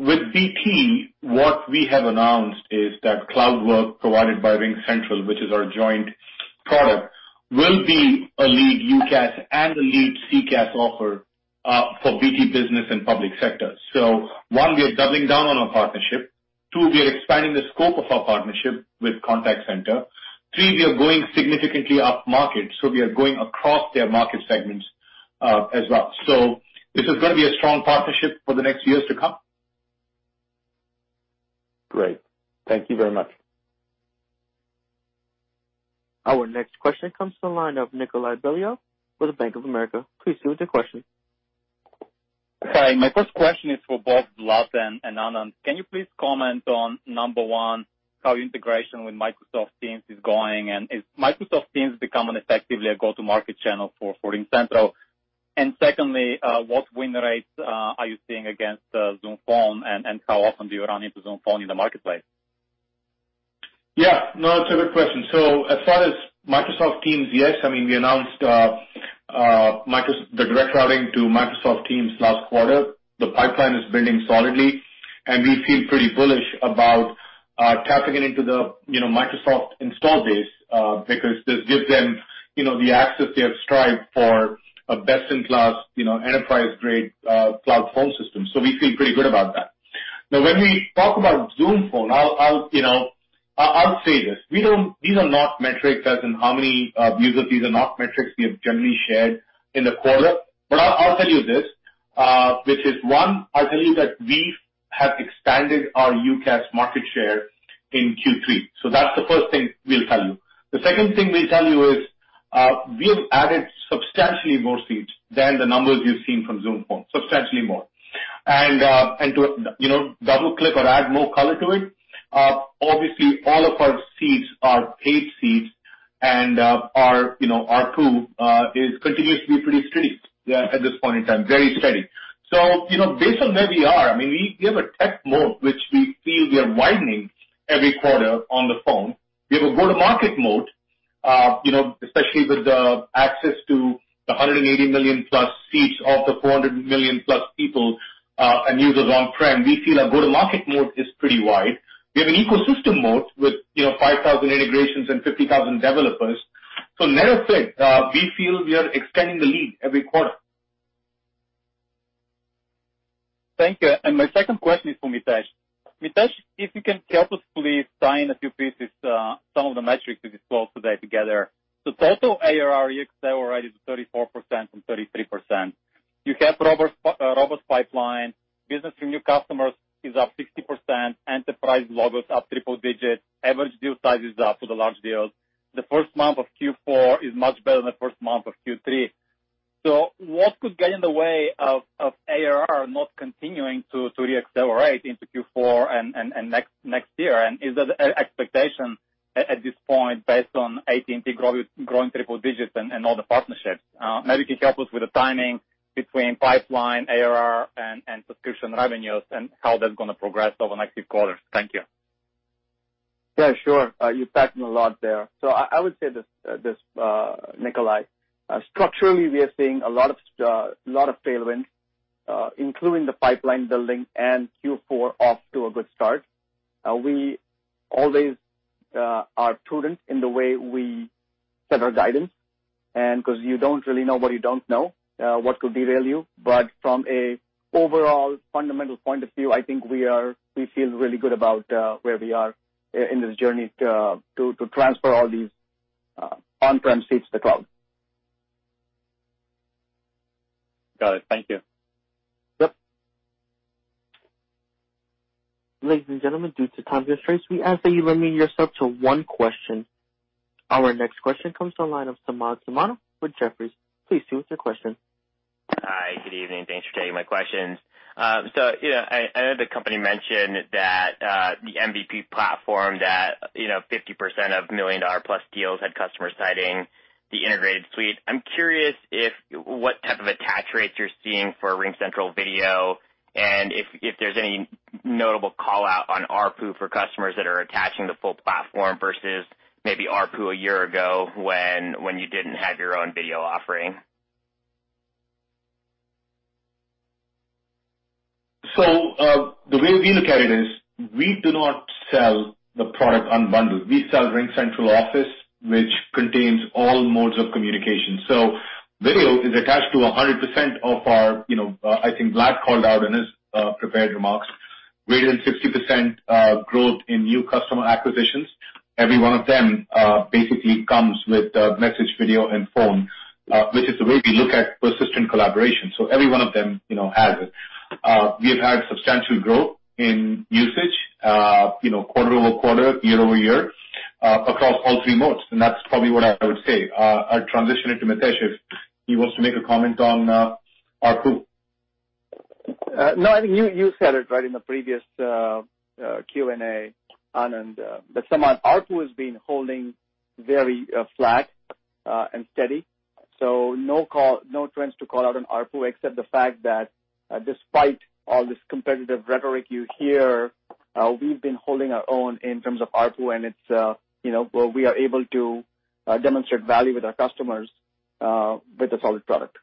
With BT, what we have announced is that Cloud Work, provided by RingCentral, which is our joint product, will be a lead UCaaS and a lead CCaaS offer for BT business and public sector. One, we are doubling down on our partnership. Two, we are expanding the scope of our partnership with contact center. Three, we are going significantly upmarket, so we are going across their market segments as well. This is going to be a strong partnership for the next years to come. Great. Thank you very much. Our next question comes from the line of Nikolay Beliov with Bank of America. Please proceed with your question. Hi, my first question is for both Vlad and Anand. Can you please comment on, number one, how integration with Microsoft Teams is going, is Microsoft Teams becoming effectively a go-to-market channel for RingCentral? Secondly, what win rates are you seeing against Zoom Phone, and how often do you run into Zoom Phone in the marketplace? Yeah, no, it's a good question. As far as Microsoft Teams, yes, I mean, we announced the direct routing to Microsoft Teams last quarter. The pipeline is building solidly, and we feel pretty bullish about tapping into the Microsoft install base because this gives them the access they have strived for a best-in-class, enterprise-grade cloud phone system. We feel pretty good about that. Now, when we talk about Zoom Phone, I'll say this. These are not metrics as in how many users. These are not metrics we have generally shared in the quarter. I'll tell you this, which is, one, I'll tell you that we have expanded our UCaaS market share in Q3. That's the first thing we'll tell you. The second thing we'll tell you is, we have added substantially more seats than the numbers you've seen from Zoom Phone, substantially more. To double-click or add more color to it, obviously, all of our seats are paid seats, and our ARPU continuously pretty steady at this point in time, very steady. Based on where we are, I mean, we have a tech moat, which we feel we are widening every quarter on the phone. We have a go-to-market moat especially with the access to the 180 million+ seats of the 400 million+ people and users on-prem. We feel our go-to-market moat is pretty wide. We have an ecosystem moat with 5,000 integrations and 50,000 developers. So net effect, we feel we are extending the lead every quarter. Thank you. My second question is for Mitesh. Mitesh, if you can help us please tie in a few pieces, some of the metrics that you told today together. Total ARR accelerated to 34% from 33%. You have robust pipeline. Business new customers is up 60%. Enterprise logos up triple digits. Average deal size is up for the large deals. The first month of Q4 is much better than the first month of Q3. What could get in the way of ARR not continuing to re-accelerate into Q4 and next year? Is that expectation at this point based on AT&T growing triple digits and all the partnerships? Maybe you can help us with the timing between pipeline, ARR, and subscription revenues and how that's going to progress over the next few quarters. Thank you. Yeah, sure. You packed in a lot there. I would say this, Nikolay. Structurally, we are seeing a lot of tailwinds, including the pipeline building and Q4 off to a good start. We always are prudent in the way we set our guidance, and because you don't really know what you don't know, what could derail you. From an overall fundamental point of view, I think we feel really good about where we are in this journey to transfer all these on-prem seats to cloud. Got it. Thank you. Yep. Ladies and gentlemen, due to time constraints, we ask that you limit yourself to one question. Our next question comes to the line of Samad Samana with Jefferies. Please proceed with your question. Hi, good evening. Thanks for taking my questions. I know the company mentioned that the MVP platform that 50% of million-dollar-plus deals had customers citing the integrated suite. I'm curious what type of attach rates you're seeing for RingCentral Video, and if there's any notable call-out on ARPU for customers that are attaching the full platform versus maybe ARPU a year ago when you didn't have your own video offering. The way we look at it is we do not sell the product unbundled. We sell RingCentral Office, which contains all modes of communication. Video is attached to 100% of our I think Vlad called out in his prepared remarks, greater than 60% growth in new customer acquisitions. Every one of them basically comes with message, video, and phone, which is the way we look at persistent collaboration. Every one of them has it. We have had substantial growth in usage quarter-over-quarter, year-over-year, across all three modes. That's probably what I would say. I'll transition it to Mitesh if he wants to make a comment on ARPU. I think you said it right in the previous Q&A, Anand. Samad, ARPU has been holding very flat and steady, so no trends to call out on ARPU except the fact that despite all this competitive rhetoric you hear, we've been holding our own in terms of ARPU, and we are able to demonstrate value with our customers with a solid product.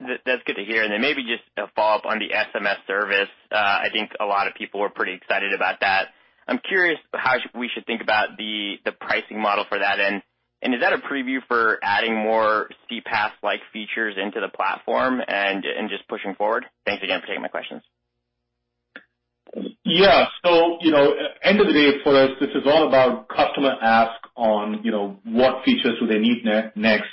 That's good to hear. Maybe just a follow-up on the SMS service. I think a lot of people were pretty excited about that. I'm curious how we should think about the pricing model for that, and is that a preview for adding more CPaaS-like features into the platform and just pushing forward? Thanks again for taking my questions. Yeah. End of the day for us, this is all about customer ask on what features do they need next.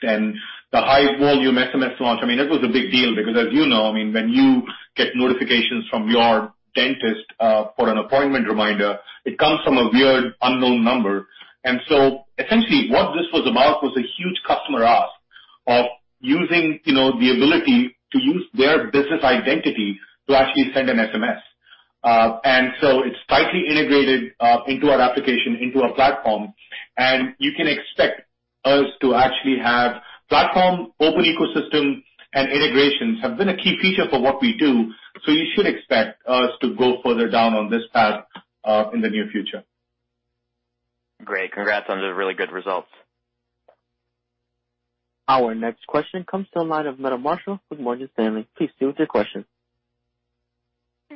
The high volume SMS launch, I mean, it was a big deal because as you know, when you get notifications from your dentist for an appointment reminder, it comes from a weird unknown number. Essentially what this was about was a huge customer ask of using the ability to use their business identity to actually send an SMS. It's tightly integrated into our application, into our platform, and you can expect us to actually have platform open ecosystem, and integrations have been a key feature for what we do. You should expect us to go further down on this path in the near future. Great. Congrats on the really good results. Our next question comes to the line of Meta Marshall with Morgan Stanley. Please proceed with your question.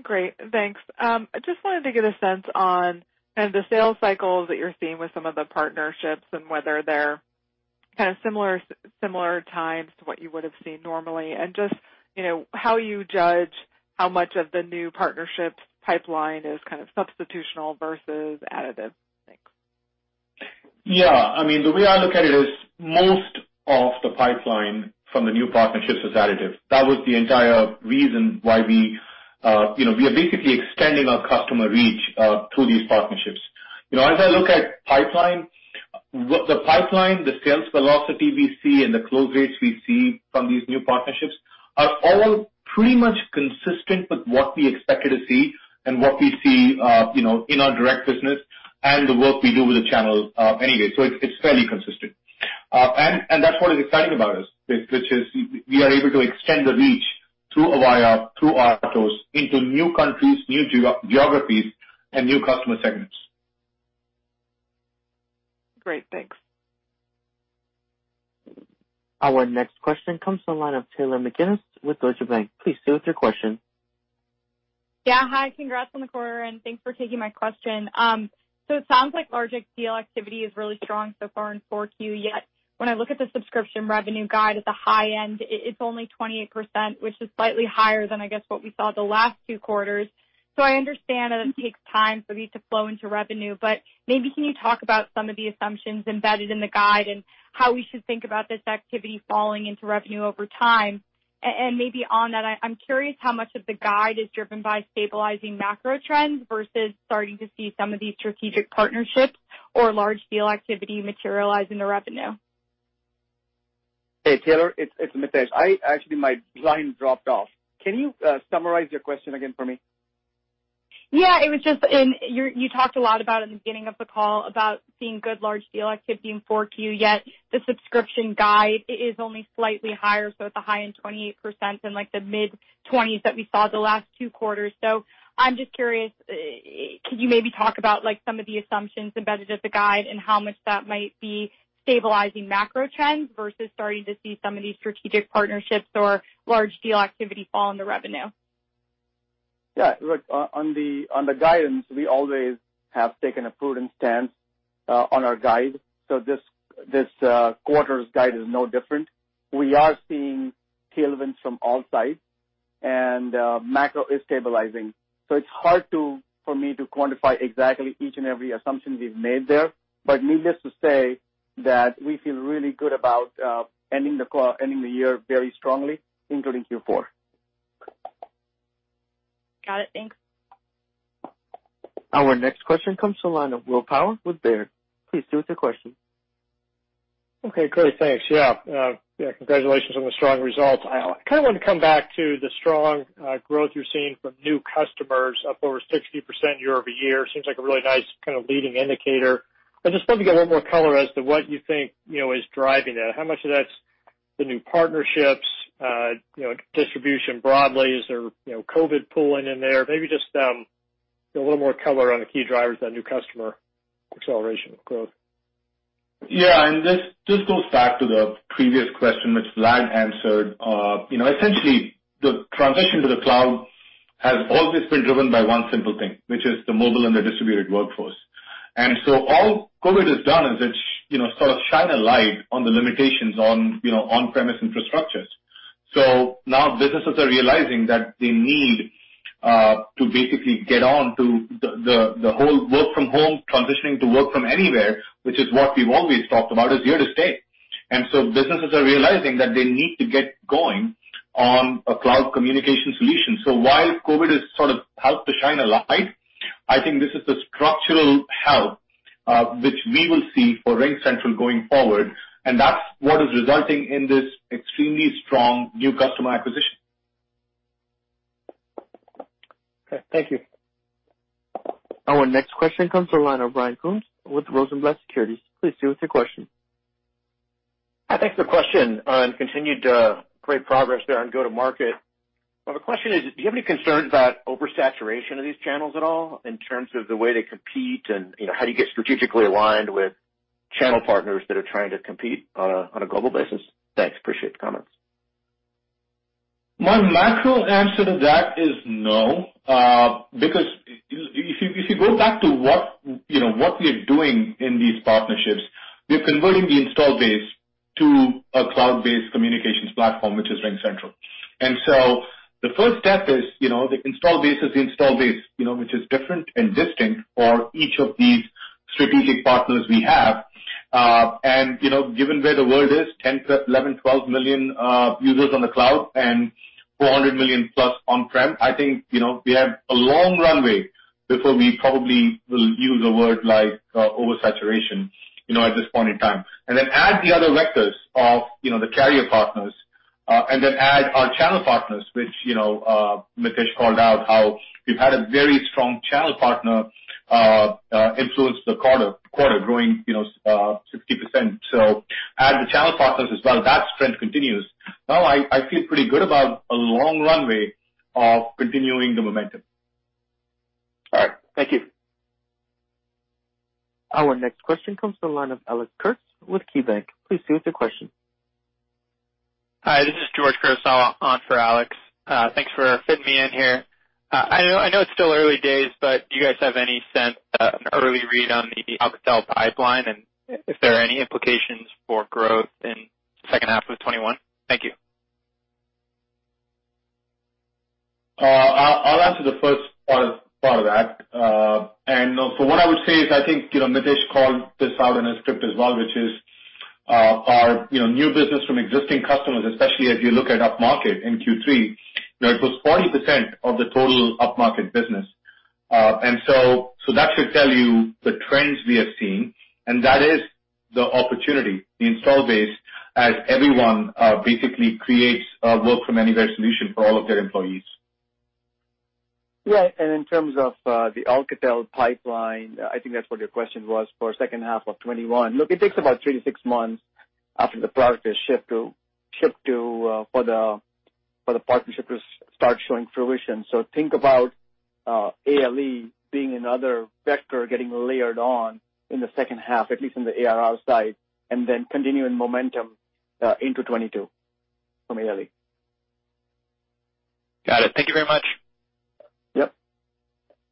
Great. Thanks. I just wanted to get a sense on the sales cycles that you're seeing with some of the partnerships and whether they're similar times to what you would have seen normally. Just how you judge how much of the new partnerships pipeline is substitutional versus additive. Thanks. Yeah. I mean, the way I look at it is most of the pipeline from the new partnerships is additive. That was the entire reason why we are basically extending our customer reach through these partnerships. As I look at pipeline, the pipeline, the sales velocity we see, and the close rates we see from these new partnerships are all pretty much consistent with what we expected to see and what we see in our direct business and the work we do with the channel anyway. It's fairly consistent. That's what is exciting about us, which is we are able to extend the reach through Avaya, through Atos into new countries, new geographies, and new customer segments. Great. Thanks. Our next question comes to the line of Taylor McGinnis with Deutsche Bank. Please proceed with your question. Yeah. Hi. Congrats on the quarter, and thanks for taking my question. It sounds like large deal activity is really strong so far in 4Q, yet when I look at the subscription revenue guide at the high end, it's only 28%, which is slightly higher than, I guess, what we saw the last two quarters. I understand that it takes time for these to flow into revenue, but maybe can you talk about some of the assumptions embedded in the guide and how we should think about this activity falling into revenue over time? Maybe on that, I'm curious how much of the guide is driven by stabilizing macro trends versus starting to see some of these strategic partnerships or large deal activity materialize into revenue. Hey, Taylor, it's Mitesh. Actually, my line dropped off. Can you summarize your question again for me? Yeah. It was just in You talked a lot about in the beginning of the call about seeing good large deal activity in 4Q, yet the subscription guide is only slightly higher, at the high-end 28% and like the mid-20s% that we saw the last two quarters. I'm just curious, could you maybe talk about some of the assumptions embedded as a guide and how much that might be stabilizing macro trends versus starting to see some of these strategic partnerships or large deal activity fall into revenue? Look, on the guidance, we always have taken a prudent stance on our guide. This quarter's guide is no different. We are seeing tailwinds from all sides, and macro is stabilizing. It's hard for me to quantify exactly each and every assumption we've made there. Needless to say that we feel really good about ending the year very strongly, including Q4. Got it. Thanks. Our next question comes to the line of Will Power with Baird. Please proceed with your question. Okay, great. Thanks. Yeah. Congratulations on the strong results. I kind of want to come back to the strong growth you're seeing from new customers up over 60% year-over-year. Seems like a really nice kind of leading indicator. I just wanted to get a little more color as to what you think is driving that. How much of that's the new partnerships, distribution broadly? Is there COVID pull-in there? Maybe just a little more color on the key drivers of that new customer acceleration of growth. This goes back to the previous question which Vlad answered. Essentially, the transition to the cloud has always been driven by one simple thing, which is the mobile and the distributed workforce. All COVID has done is it's sort of shine a light on the limitations on on-premise infrastructures. Now businesses are realizing that they need to basically get on to the whole work from home transitioning to work from anywhere, which is what we've always talked about, is here to stay. Businesses are realizing that they need to get going on a cloud communication solution. While COVID has sort of helped to shine a light, I think this is a structural help, which we will see for RingCentral going forward, and that's what is resulting in this extremely strong new customer acquisition. Okay. Thank you. Our next question comes from the line of Ryan Koontz with Rosenblatt Securities. Please proceed with your question. I think the question on continued great progress there on go-to-market. The question is, do you have any concerns about oversaturation of these channels at all in terms of the way they compete and how do you get strategically aligned with channel partners that are trying to compete on a global basis? Thanks. Appreciate the comments. My macro answer to that is no. Because if you go back to what we are doing in these partnerships, we are converting the install base to a cloud-based communications platform, which is RingCentral. The first step is, the install base is the install base which is different and distinct for each of these strategic partners we have. Given where the world is, 10 million, 11 million, 12 million users on the cloud and 400 million+ on-prem, I think we have a long runway before we probably will use a word like oversaturation at this point in time. Then add the other vectors of the carrier partners, and then add our channel partners, which Mitesh called out how we've had a very strong channel partner influence the quarter growing 60%. Add the channel partners as well, that strength continues. Now I feel pretty good about a long runway of continuing the momentum. All right. Thank you. Our next question comes from the line of Alex Kurtz with KeyBanc. Please proceed with your question. Hi, this is George Kurosawa on for Alex. Thanks for fitting me in here. I know it's still early days, but do you guys have any sense, an early read on the Alcatel pipeline, and if there are any implications for growth in second half of 2021? Thank you. I'll answer the first part of that. What I would say is, I think Mitesh called this out in his script as well, which is our new business from existing customers, especially if you look at upmarket in Q3, it was 40% of the total upmarket business. That should tell you the trends we have seen, and that is the opportunity, the install base, as everyone basically creates a work from anywhere solution for all of their employees. Yeah. In terms of the Alcatel pipeline, I think that's what your question was for second half of 2021. Look, it takes about three to six months after the product is shipped for the partnership to start showing fruition. Think about ALE being another vector getting layered on in the second half, at least in the ARR side, and then continuing momentum into 2022 from ALE. Got it. Thank you very much. Yep.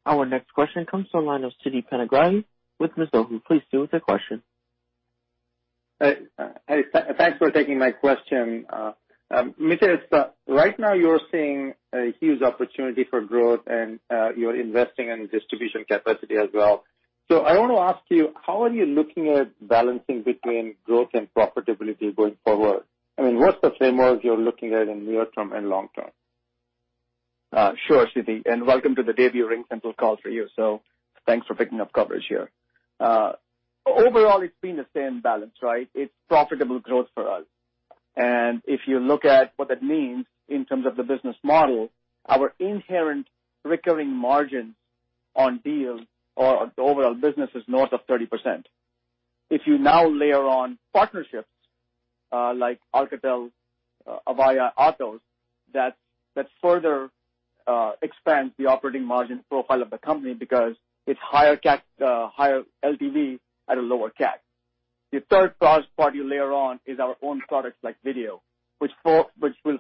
Our next question comes from line of Siti Panigrahi with Mizuho. Please proceed with your question. Hey. Thanks for taking my question. Mitesh, right now you're seeing a huge opportunity for growth and you're investing in distribution capacity as well. I want to ask you, how are you looking at balancing between growth and profitability going forward? I mean, what's the framework you're looking at in near term and long term? Sure, Siti, welcome to the debut RingCentral call for you. Thanks for picking up coverage here. Overall, it's been the same balance, right? It's profitable growth for us. If you look at what that means in terms of the business model, our inherent recurring margins on deals or the overall business is north of 30%. If you now layer on partnerships, like Alcatel, Avaya, Atos, that further expands the operating margin profile of the company because it's higher LTV at a lower CAC. The third part you layer on is our own products like video, which will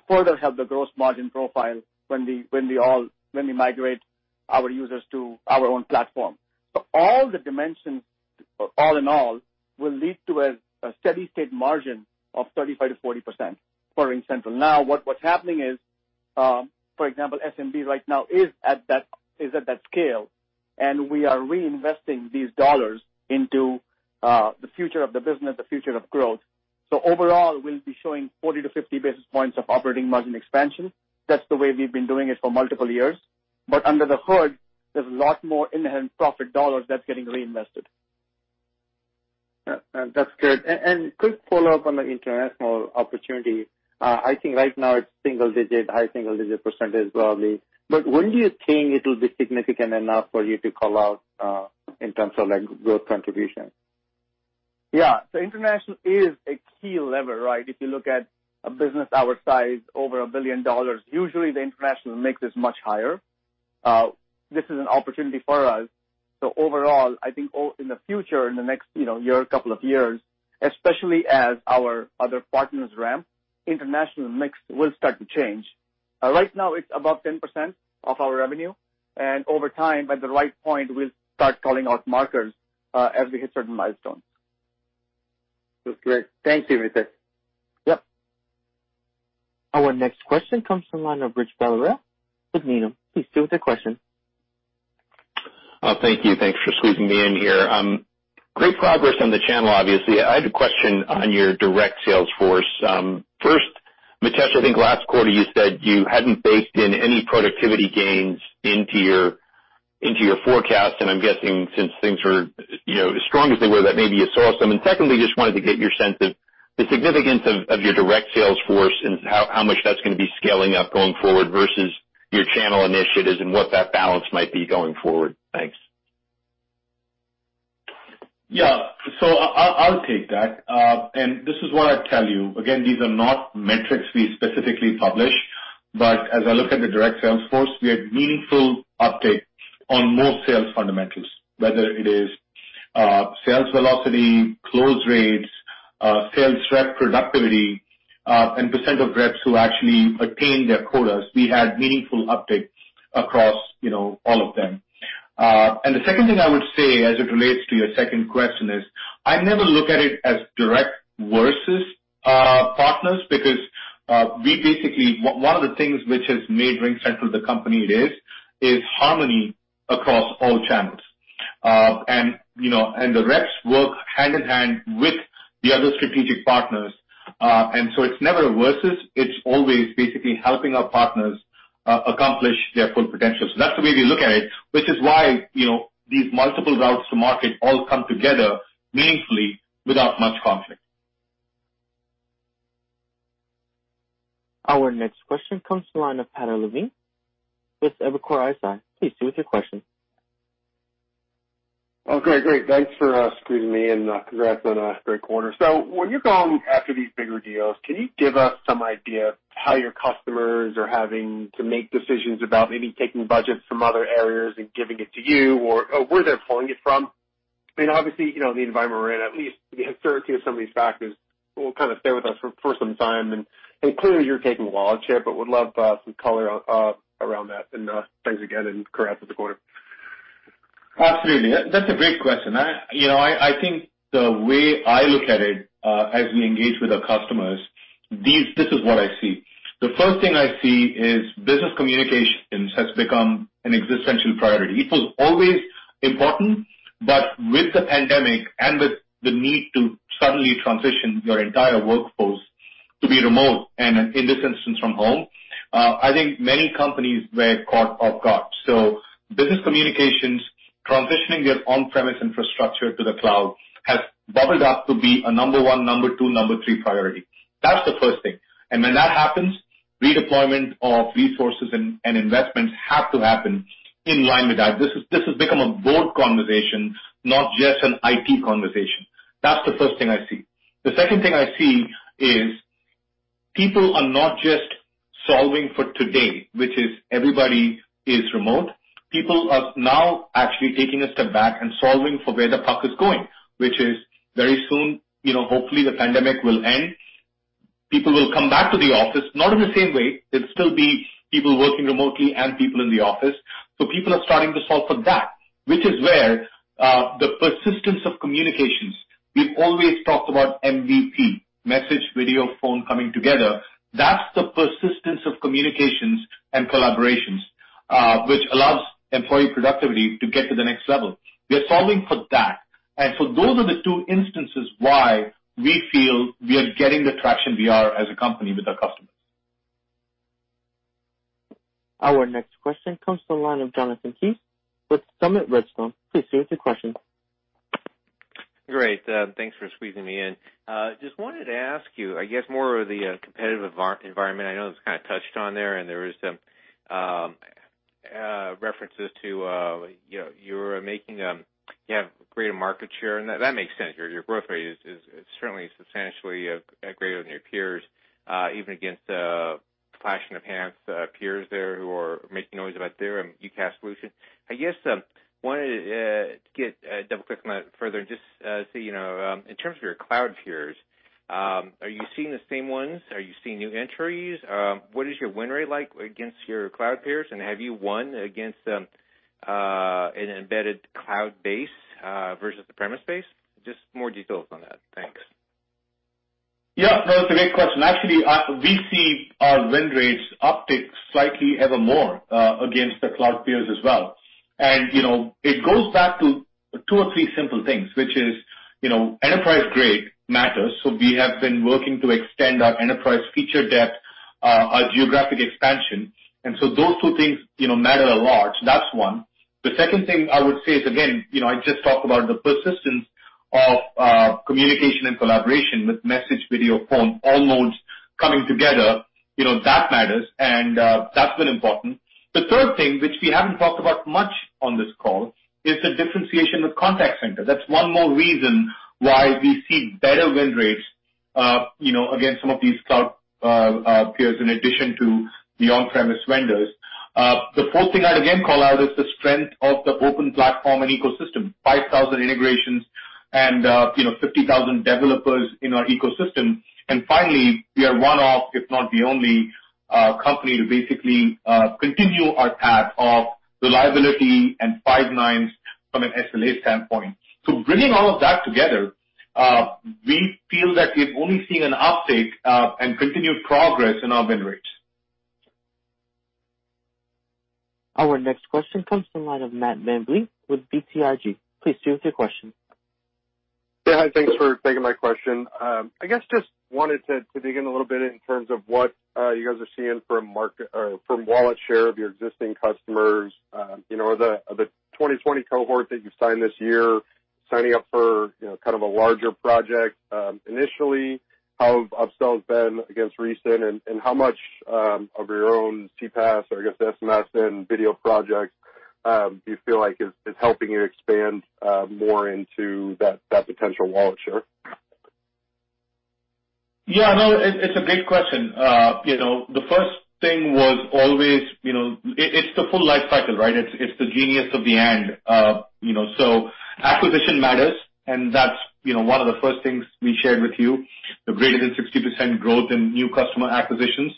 further help the gross margin profile when we migrate our users to our own platform. All the dimensions, all in all, will lead to a steady state margin of 35%-40% for RingCentral. What's happening is, for example, SMB right now is at that scale, and we are reinvesting these dollars into the future of the business, the future of growth. Overall, we'll be showing 40 basis points-50 basis points of operating margin expansion. That's the way we've been doing it for multiple years. Under the hood, there's a lot more inherent profit dollars that's getting reinvested. That's good. Quick follow-up on the international opportunity. I think right now it's single digit, high single digit % probably. When do you think it'll be significant enough for you to call out, in terms of like growth contribution? Yeah. International is a key lever, right? If you look at a business our size over $1 billion, usually the international mix is much higher. This is an opportunity for us. Overall, I think in the future, in the next year, couple of years, especially as our other partners ramp, international mix will start to change. Right now, it's above 10% of our revenue, and over time, at the right point, we'll start calling out markers as we hit certain milestones. That's great. Thanks, Mitesh. Yep. Our next question comes from the line of Rich Valera with Needham. Please proceed with your question. Thank you. Thanks for squeezing me in here. Great progress on the channel, obviously. I had a question on your direct sales force. First, Mitesh, I think last quarter you said you hadn't baked in any productivity gains into your forecast, and I'm guessing since things were as strong as they were, that maybe you saw some. Secondly, just wanted to get your sense of the significance of your direct sales force and how much that's going to be scaling up going forward versus your channel initiatives and what that balance might be going forward. Thanks. Yeah. I'll take that. This is what I'd tell you. Again, these are not metrics we specifically publish, but as I look at the direct sales force, we had meaningful uptakes on most sales fundamentals, whether it is sales velocity, close rates, sales rep productivity, and percent of reps who actually attain their quotas. We had meaningful upticks across all of them. The second thing I would say, as it relates to your second question is, I never look at it as direct versus partners because one of the things which has made RingCentral the company it is harmony across all channels. The reps work hand in hand with the other strategic partners. It's never a versus. It's always basically helping our partners accomplish their full potential. That's the way we look at it, which is why these multiple routes to market all come together meaningfully without much conflict. Our next question comes from the line of Pat O'Leary with Evercore ISI. Please proceed with your question. Oh, great. Thanks for squeezing me in. Congrats on a great quarter. When you're going after these bigger deals, can you give us some idea how your customers are having to make decisions about maybe taking budgets from other areas and giving it to you? Or where they're pulling it from? I mean, obviously, the environment we're in, at least the uncertainty of some of these factors will kind of stay with us for some time. Clearly, you're taking wallet share, but would love some color around that. Thanks again, and congrats on the quarter. Absolutely. That's a great question. I think the way I look at it as we engage with our customers, this is what I see. The first thing I see is business communications has become an existential priority. It was always important, but with the pandemic and with the need to suddenly transition your entire workforce to be remote, and in this instance, from home, I think many companies were caught off guard. Business communications, transitioning their on-premise infrastructure to the cloud has bubbled up to be a number one, number two, number three priority. That's the first thing. When that happens, redeployment of resources and investments have to happen in line with that. This has become a board conversation, not just an IT conversation. That's the first thing I see. The second thing I see is people are not just solving for today, which is everybody is remote. People are now actually taking a step back and solving for where the puck is going, which is very soon, hopefully the pandemic will end. People will come back to the office, not in the same way. There'll still be people working remotely and people in the office. People are starting to solve for that, which is where the persistence of communications. We've always talked about MVP, message, video, phone coming together. That's the persistence of communications and collaborations, which allows employee productivity to get to the next level. We are solving for that. Those are the two instances why we feel we are getting the traction we are as a company with our customers. Our next question comes from the line of Jonathan Kees with Summit Redstone. Please proceed with your question. Great. Thanks for squeezing me in. Just wanted to ask you, I guess, more of the competitive environment. I know it's kind of touched on there, and there is references to you have greater market share, and that makes sense. Your growth rate is certainly substantially greater than your peers, even against a clashing of hands peers there who are making noise about their UCaaS solution. I guess, wanted to get a double click further and just see, in terms of your cloud peers, are you seeing the same ones? Are you seeing new entries? What is your win rate like against your cloud peers, and have you won against an embedded cloud base versus the premise base? Just more details on that. Thanks. Yeah, that's a great question. Actually, we see our win rates uptick slightly ever more against the cloud peers as well. It goes back to two or three simple things, which is enterprise grade matters. We have been working to extend our enterprise feature depth, our geographic expansion. Those two things matter a lot. That's one. The second thing I would say is, again, I just talked about the persistence of communication and collaboration with message, video, phone, all modes coming together. That matters, and that's been important. The third thing, which we haven't talked about much on this call, is the differentiation with Contact Center. That's one more reason why we see better win rates again, some of these cloud peers in addition to the on-premise vendors. The fourth thing I'd again call out is the strength of the open platform and ecosystem, 5,000 integrations and 50,000 developers in our ecosystem. Finally, we are one of, if not the only, company to basically continue our path of liability and five nines from an SLA standpoint. Bringing all of that together, we feel that we've only seen an uptake and continued progress in our win rates. Our next question comes from the line of Matt VanVliet with BTIG. Please proceed with your question. Yeah. Thanks for taking my question. I guess just wanted to dig in a little bit in terms of what you guys are seeing from wallet share of your existing customers. Are the 2020 cohort that you signed this year signing up for a larger project initially? How have upsells been against recent, and how much of your own CPaaS or I guess SMS and video projects do you feel like is helping you expand more into that potential wallet share? Yeah, no, it's a great question. The first thing was always, it's the full life cycle, right? It's the genius of the end. Acquisition matters, and that's one of the first things we shared with you, the greater than 60% growth in new customer acquisitions.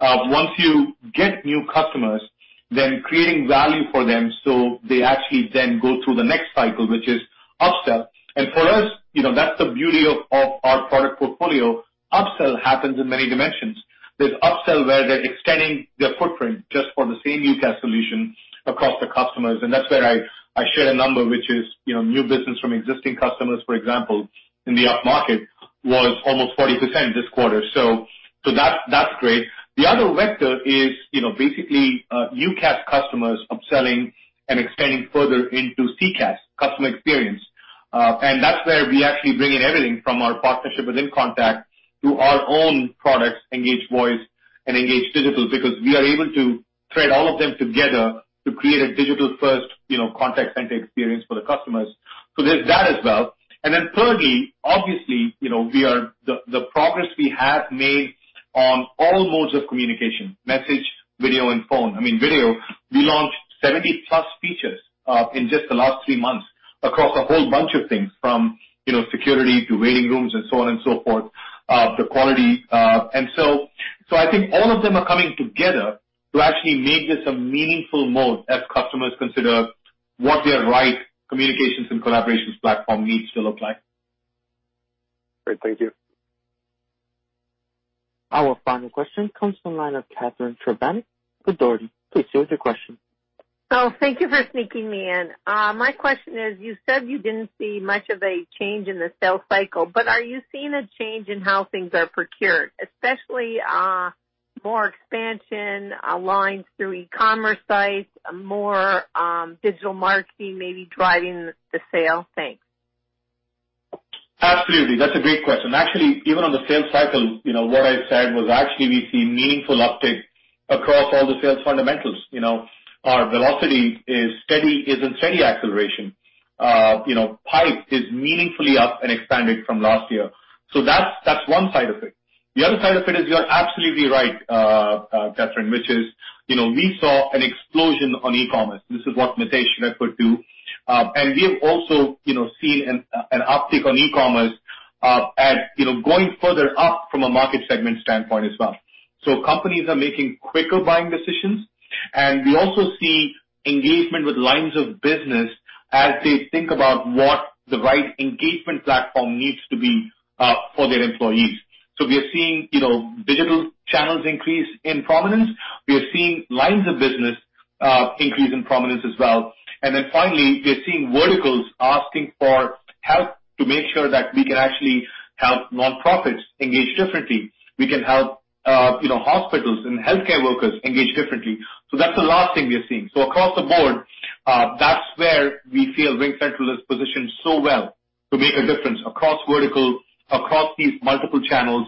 Once you get new customers, then creating value for them so they actually then go through the next cycle, which is upsell. For us, that's the beauty of our product portfolio. Upsell happens in many dimensions. There's upsell where they're extending their footprint just for the same UCaaS solution across the customers. That's where I shared a number, which is new business from existing customers, for example, in the upmarket was almost 40% this quarter. That's great. The other vector is basically UCaaS customers upselling and extending further into CCaaS, customer experience. That's where we actually bring in everything from our partnership with inContact to our own products, Engage Voice and Engage Digital, because we are able to thread all of them together to create a digital-first contact center experience for the customers. Then thirdly, obviously, the progress we have made on all modes of communication, message, video, and phone. I mean, video, we launched 70+ features in just the last three months across a whole bunch of things from security to waiting rooms and so on and so forth, the quality. So I think all of them are coming together to actually make this a meaningful mode as customers consider what their right communications and collaborations platform needs to look like. Great. Thank you. Our final question comes from the line of Catharine Trebnick with Dougherty. Please proceed with your question. Thank you for sneaking me in. My question is, you said you didn't see much of a change in the sales cycle, but are you seeing a change in how things are procured, especially more expansion lines through e-commerce sites, more digital marketing maybe driving the sale? Thanks. Absolutely. That's a great question. Actually, even on the sales cycle, what I said was actually we see meaningful uptake across all the sales fundamentals. Our velocity is in steady acceleration. pipe is meaningfully up and expanded from last year. That's one side of it. The other side of it is you're absolutely right, Catharine, which is we saw an explosion on e-commerce. This is what Mitesh referred to. We have also seen an uptick on e-commerce as going further up from a market segment standpoint as well. Companies are making quicker buying decisions, and we also see engagement with lines of business as they think about what the right engagement platform needs to be for their employees. We are seeing digital channels increase in prominence. We are seeing lines of business increase in prominence as well. Finally, we are seeing verticals asking for help to make sure that we can actually help nonprofits engage differently. We can help hospitals and healthcare workers engage differently. That's the last thing we are seeing. Across the board, that's where we feel RingCentral is positioned so well to make a difference across verticals, across these multiple channels,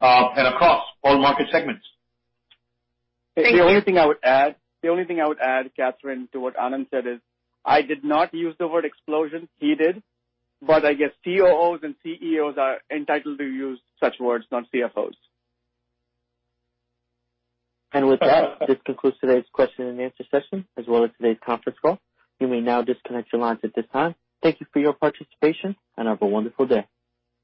and across all market segments. Thank you. The only thing I would add, Catharine, to what Anand said is I did not use the word explosion. He did. I guess COOs and CEOs are entitled to use such words, not CFOs. With that, this concludes today's question and answer session, as well as today's conference call. You may now disconnect your lines at this time. Thank you for your participation, and have a wonderful day.